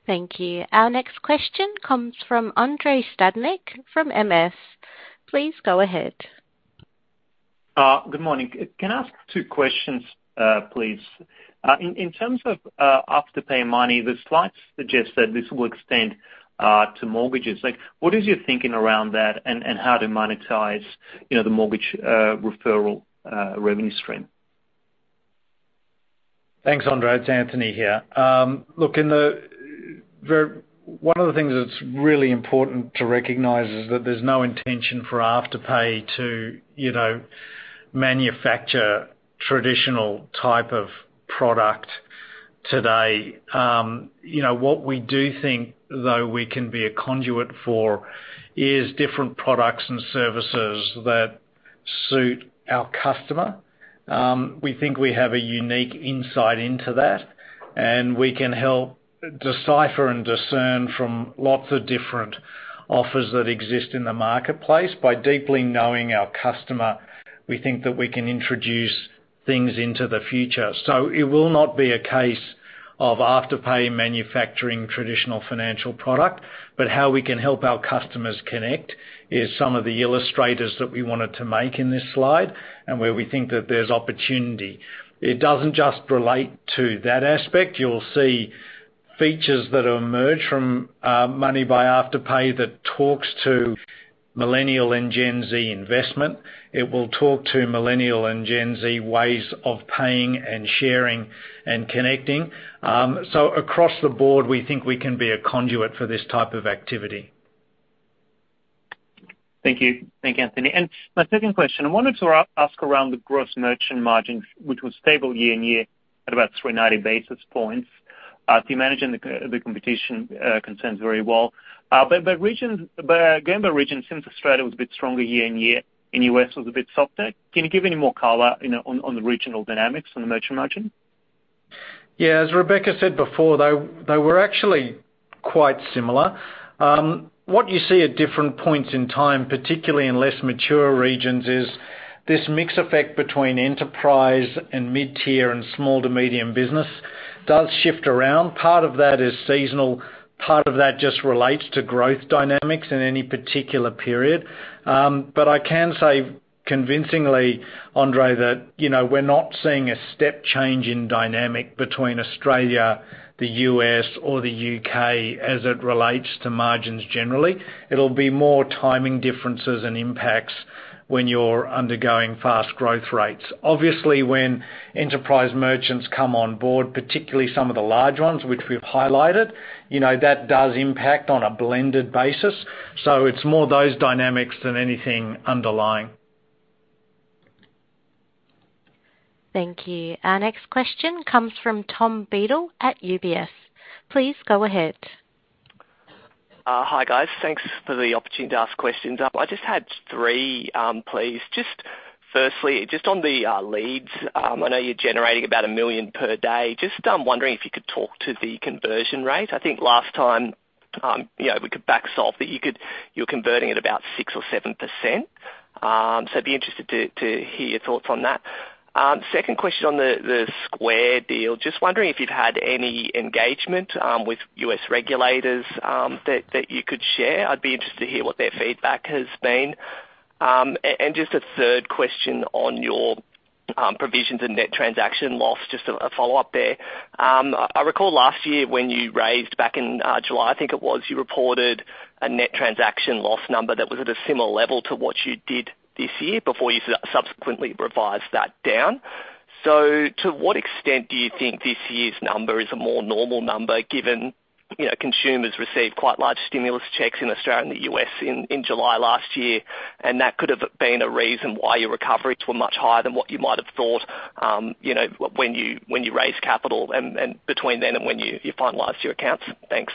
Thank you. Our next question comes from Andrei Stadnik from MS. Please go ahead. Good morning. Can I ask two questions, please? In terms of Afterpay Money, the slides suggest that this will extend to mortgages. What is your thinking around that and how to monetize the mortgage referral revenue stream? Thanks, Andrei. It's Anthony here. Look, one of the things that's really important to recognize is that there's no intention for Afterpay to manufacture traditional type of product today. What we do think, though, we can be a conduit for is different products and services that suit our customer. We think we have a unique insight into that, and we can help decipher and discern from lots of different offers that exist in the marketplace. By deeply knowing our customer, we think that we can introduce things into the future. It will not be a case of Afterpay manufacturing traditional financial product. How we can help our customers connect is some of the illustrators that we wanted to make in this slide, and where we think that there's opportunity. It doesn't just relate to that aspect. You'll see features that emerge from Money by Afterpay that talks to Millennial and Gen Z investment. It will talk to Millennial and Gen Z ways of paying and sharing and connecting. Across the board, we think we can be a conduit for this type of activity. Thank you. Thank you, Anthony. My second question, I wanted to ask around the gross merchant margin, which was stable year-on-year at about 390 basis points. You're managing the competition concerns very well. Again, by region, since Australia was a bit stronger year-on-year and U.S. was a bit softer, can you give any more color on the regional dynamics on the merchant margin? Yeah. As Rebecca said before, they were actually quite similar. What you see at different points in time, particularly in less mature regions, is this mix effect between enterprise and mid-tier and small to medium business does shift around. Part of that is seasonal, part of that just relates to growth dynamics in any particular period. I can say convincingly, Andrei, that we're not seeing a step change in dynamic between Australia, the U.S., or the U.K. as it relates to margins generally. It'll be more timing differences and impacts when you're undergoing fast growth rates. Obviously, when enterprise merchants come on board, particularly some of the large ones, which we've highlighted, that does impact on a blended basis. It's more those dynamics than anything underlying. Thank you. Our next question comes from Tom Beadle at UBS. Please go ahead. Hi, guys. Thanks for the opportunity to ask questions. I just had three, please. Firstly, just on the leads. I know you're generating about 1 million per day. I'm wondering if you could talk to the conversion rate. I think last time, we could back solve that you're converting at about 6% or 7%. I'd be interested to hear your thoughts on that. Second question on the Square deal. Wondering if you've had any engagement with U.S. regulators that you could share. I'd be interested to hear what their feedback has been. A third question on your provisions and Net Transaction Loss, just a follow-up there. I recall last year when you raised back in July, I think it was, you reported a Net Transaction Loss number that was at a similar level to what you did this year before you subsequently revised that down. To what extent do you think this year's number is a more normal number given consumers received quite large stimulus checks in Australia and the U.S. in July last year, and that could have been a reason why your recoveries were much higher than what you might have thought when you raised capital and between then and when you finalized your accounts? Thanks.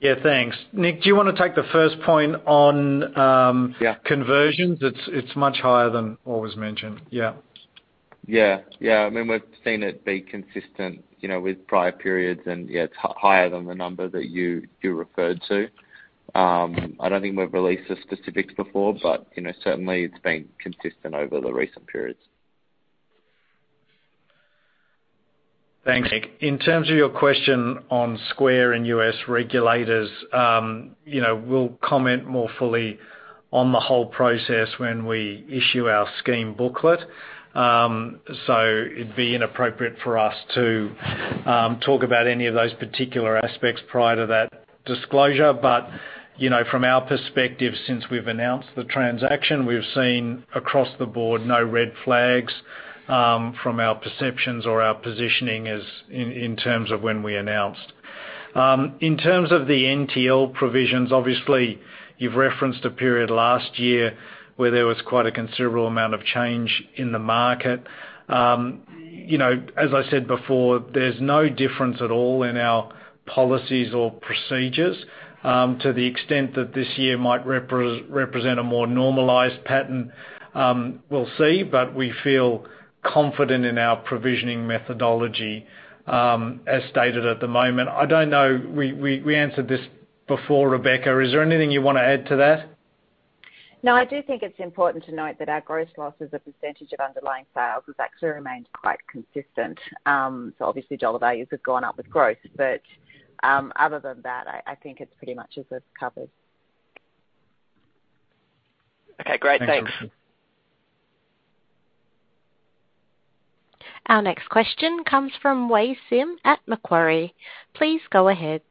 Yeah, thanks. Nick, do you want to take the first point? Yeah conversions? It's much higher than what was mentioned. Yeah. Yeah. We've seen it be consistent with prior periods and, yeah, it's higher than the number that you referred to. I don't think we've released the specifics before, but certainly it's been consistent over the recent periods. Thanks, Nick. In terms of your question on Square and U.S. regulators, we'll comment more fully on the whole process when we issue our scheme booklet. It'd be inappropriate for us to talk about any of those particular aspects prior to that disclosure. From our perspective, since we've announced the transaction, we've seen across the board no red flags from our perceptions or our positioning in terms of when we announced. In terms of the NTL provisions, obviously, you've referenced a period last year where there was quite a considerable amount of change in the market. As I said before, there's no difference at all in our policies or procedures. To the extent that this year might represent a more normalized pattern, we'll see, but we feel confident in our provisioning methodology as stated at the moment. I don't know. We answered this before, Rebecca. Is there anything you want to add to that? I do think it's important to note that our gross loss as a percentage of underlying sales has actually remained quite consistent. Obviously dollar values have gone up with growth. Other than that, I think it's pretty much as was covered. Okay, great. Thanks. Our next question comes from Wei Sim at Macquarie. Please go ahead.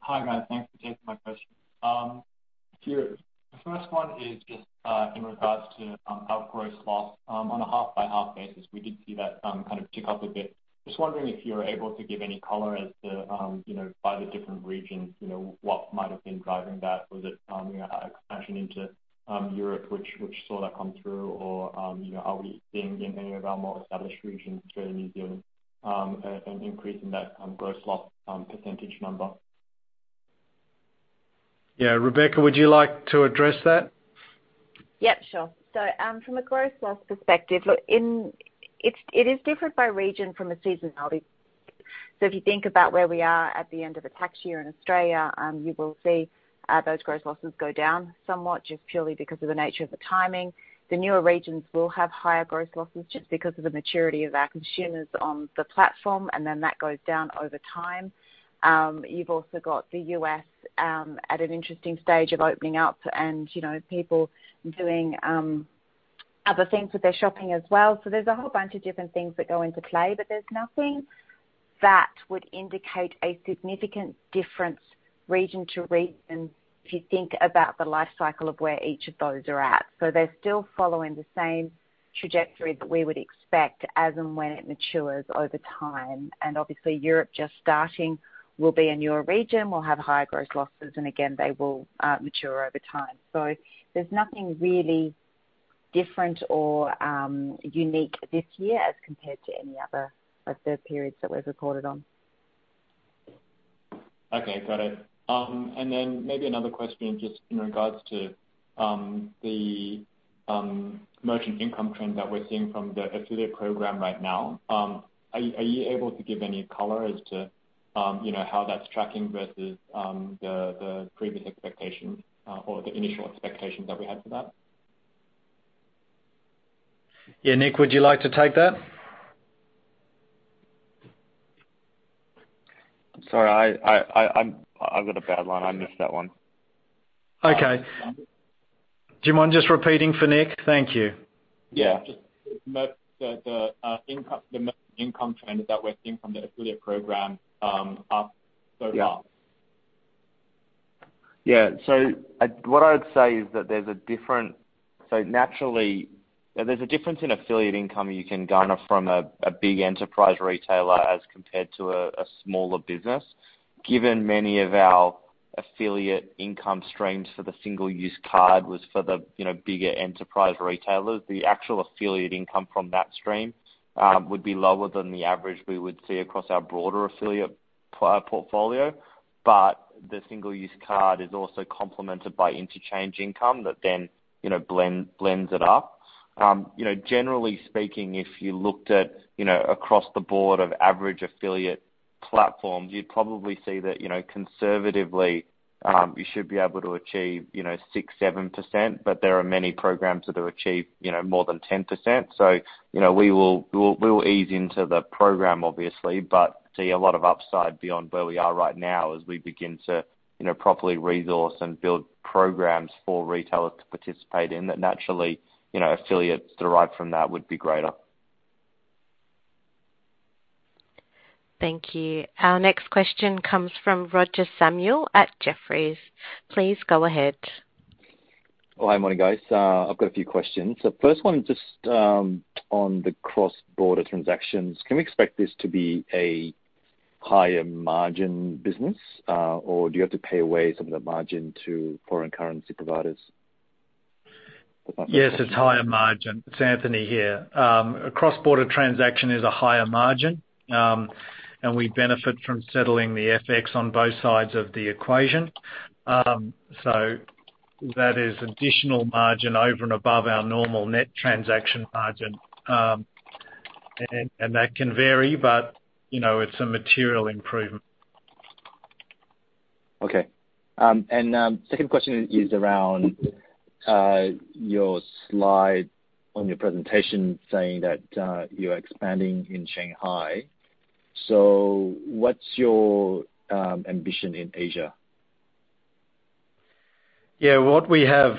Hi, guys. Thanks for taking my question. The first one is just in regards to our gross loss on a half-by-half basis. We did see that kind of tick up a bit. Just wondering if you're able to give any color as to, by the different regions, what might have been driving that. Was it expansion into Europe, which saw that come through, or are we seeing in any of our more established regions, Australia and New Zealand, an increase in that gross loss percentage number? Yeah. Rebecca, would you like to address that? Yep, sure. From a gross loss perspective, it is different by region from a seasonality. If you think about where we are at the end of a tax year in Australia, you will see those gross losses go down somewhat, just purely because of the nature of the timing. The newer regions will have higher gross losses just because of the maturity of our consumers on the platform, and then that goes down over time. You've also got the U.S. at an interesting stage of opening up and people doing other things with their shopping as well. There's a whole bunch of different things that go into play, but there's nothing that would indicate a significant difference region to region if you think about the life cycle of where each of those are at. They're still following the same trajectory that we would expect as and when it matures over time. Obviously Europe just starting will be a newer region, will have higher gross losses, and again, they will mature over time. There's nothing really different or unique this year as compared to any other of the periods that we've reported on. Okay, got it. Maybe another question just in regards to the merchant income trend that we're seeing from the affiliate program right now. Are you able to give any color as to how that's tracking versus the previous expectation or the initial expectation that we had for that? Yeah. Nick, would you like to take that? Sorry, I've got a bad line. I missed that one. Okay. Do you mind just repeating for Nick? Thank you. Just the merchant income trend that we're seeing from the affiliate program so far. Yeah. What I would say is, naturally there's a difference in affiliate income you can garner from a big enterprise retailer as compared to a smaller business. Given many of our affiliate income streams for the single-use card was for the bigger enterprise retailers, the actual affiliate income from that stream would be lower than the average we would see across our broader affiliate portfolio. The single-use card is also complemented by interchange income that then blends it up. Generally speaking, if you looked at across the board of average affiliate platforms, you'd probably see that conservatively, you should be able to achieve 6%, 7%, but there are many programs that have achieved more than 10%. We will ease into the program, obviously, but see a lot of upside beyond where we are right now as we begin to properly resource and build programs for retailers to participate in that naturally, affiliates derived from that would be greater. Thank you. Our next question comes from Roger Samuel at Jefferies. Please go ahead. Oh, hi. Morning, guys. I've got a few questions. First, just on the cross-border transactions. Can we expect this to be a higher margin business? Do you have to pay away some of the margin to foreign currency providers? Yes, it's higher margin. It's Anthony here. A cross-border transaction is a higher margin, and we benefit from settling the FX on both sides of the equation. That is additional margin over and above our normal net transaction margin. That can vary, but it's a material improvement. Okay. Second question is around your slide on your presentation saying that you're expanding in Shanghai. So what's your ambition in Asia? Yeah. What we have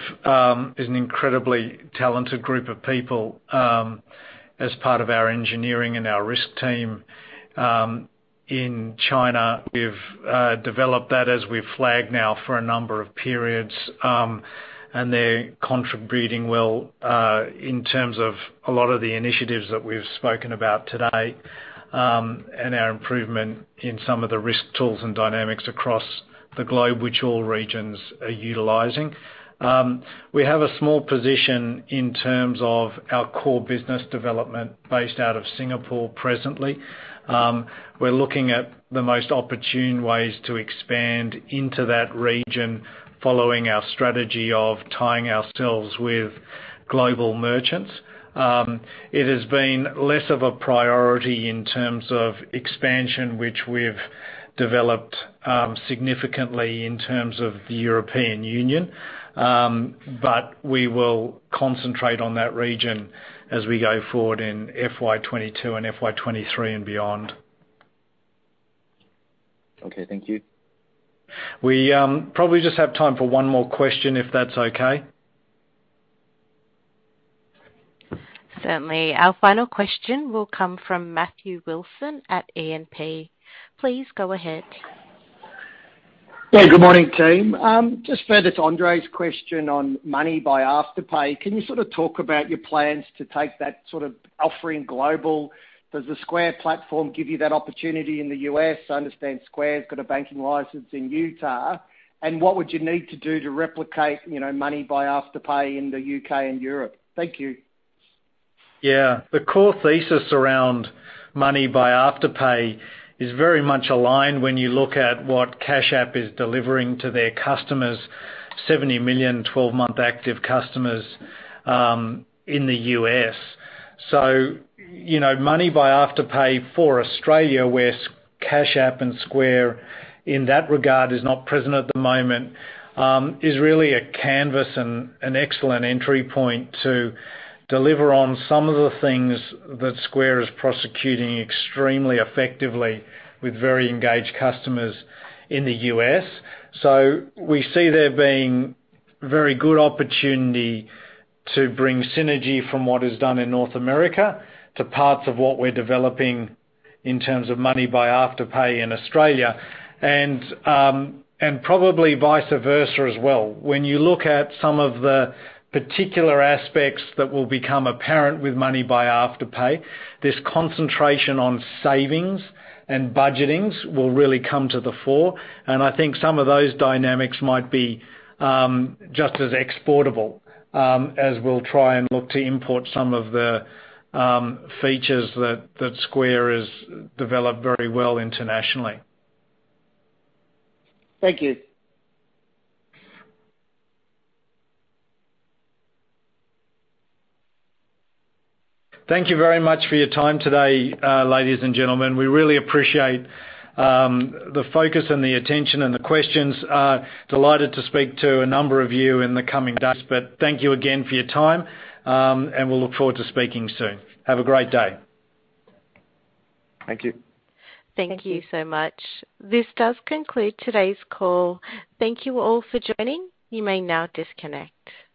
is an incredibly talented group of people as part of our engineering and our risk team in China. We've developed that as we've flagged now for a number of periods. They're contributing well in terms of a lot of the initiatives that we've spoken about today, and our improvement in some of the risk tools and dynamics across the globe, which all regions are utilizing. We have a small position in terms of our core business development based out of Singapore presently. We're looking at the most opportune ways to expand into that region following our strategy of tying ourselves with global merchants. It has been less of a priority in terms of expansion, which we've developed significantly in terms of the European Union. We will concentrate on that region as we go forward in FY 2022 and FY 2023 and beyond. Okay, thank you. We probably just have time for one more question, if that's okay. Certainly. Our final question will come from Matthew Wilson at E&P. Please go ahead. Good morning, team. Just further to Andrei question on Money by Afterpay, can you sort of talk about your plans to take that sort of offering global? Does the Square platform give you that opportunity in the U.S.? I understand Square's got a banking license in Utah. What would you need to do to replicate Money by Afterpay in the U.K. and Europe? Thank you. The core thesis around Money by Afterpay is very much aligned when you look at what Cash App is delivering to their customers, 70 million 12-month active customers in the U.S. Money by Afterpay for Australia, where Cash App and Square in that regard is not present at the moment, is really a canvas and an excellent entry point to deliver on some of the things that Square is prosecuting extremely effectively with very engaged customers in the U.S. So we see there been very good opportunity, to bring synergy from what is done in North America, to parts on what we're developing in terms of Money by Afterpay in Australia and Probably vice versa as well. When you look at some of the particular aspects that will become apparent with Money by Afterpay, this concentration on savings and budgetings will really come to the fore. I think some of those dynamics might be just as exportable as we'll try and look to import some of the features that Square has developed very well internationally. Thank you. Thank you very much for your time today, ladies and gentlemen. We really appreciate the focus and the attention and the questions. Delighted to speak to a number of you in the coming days. Thank you again for your time, and we'll look forward to speaking soon. Have a great day. Thank you. Thank you so much. This does conclude today's call. Thank you all for joining. You may now disconnect.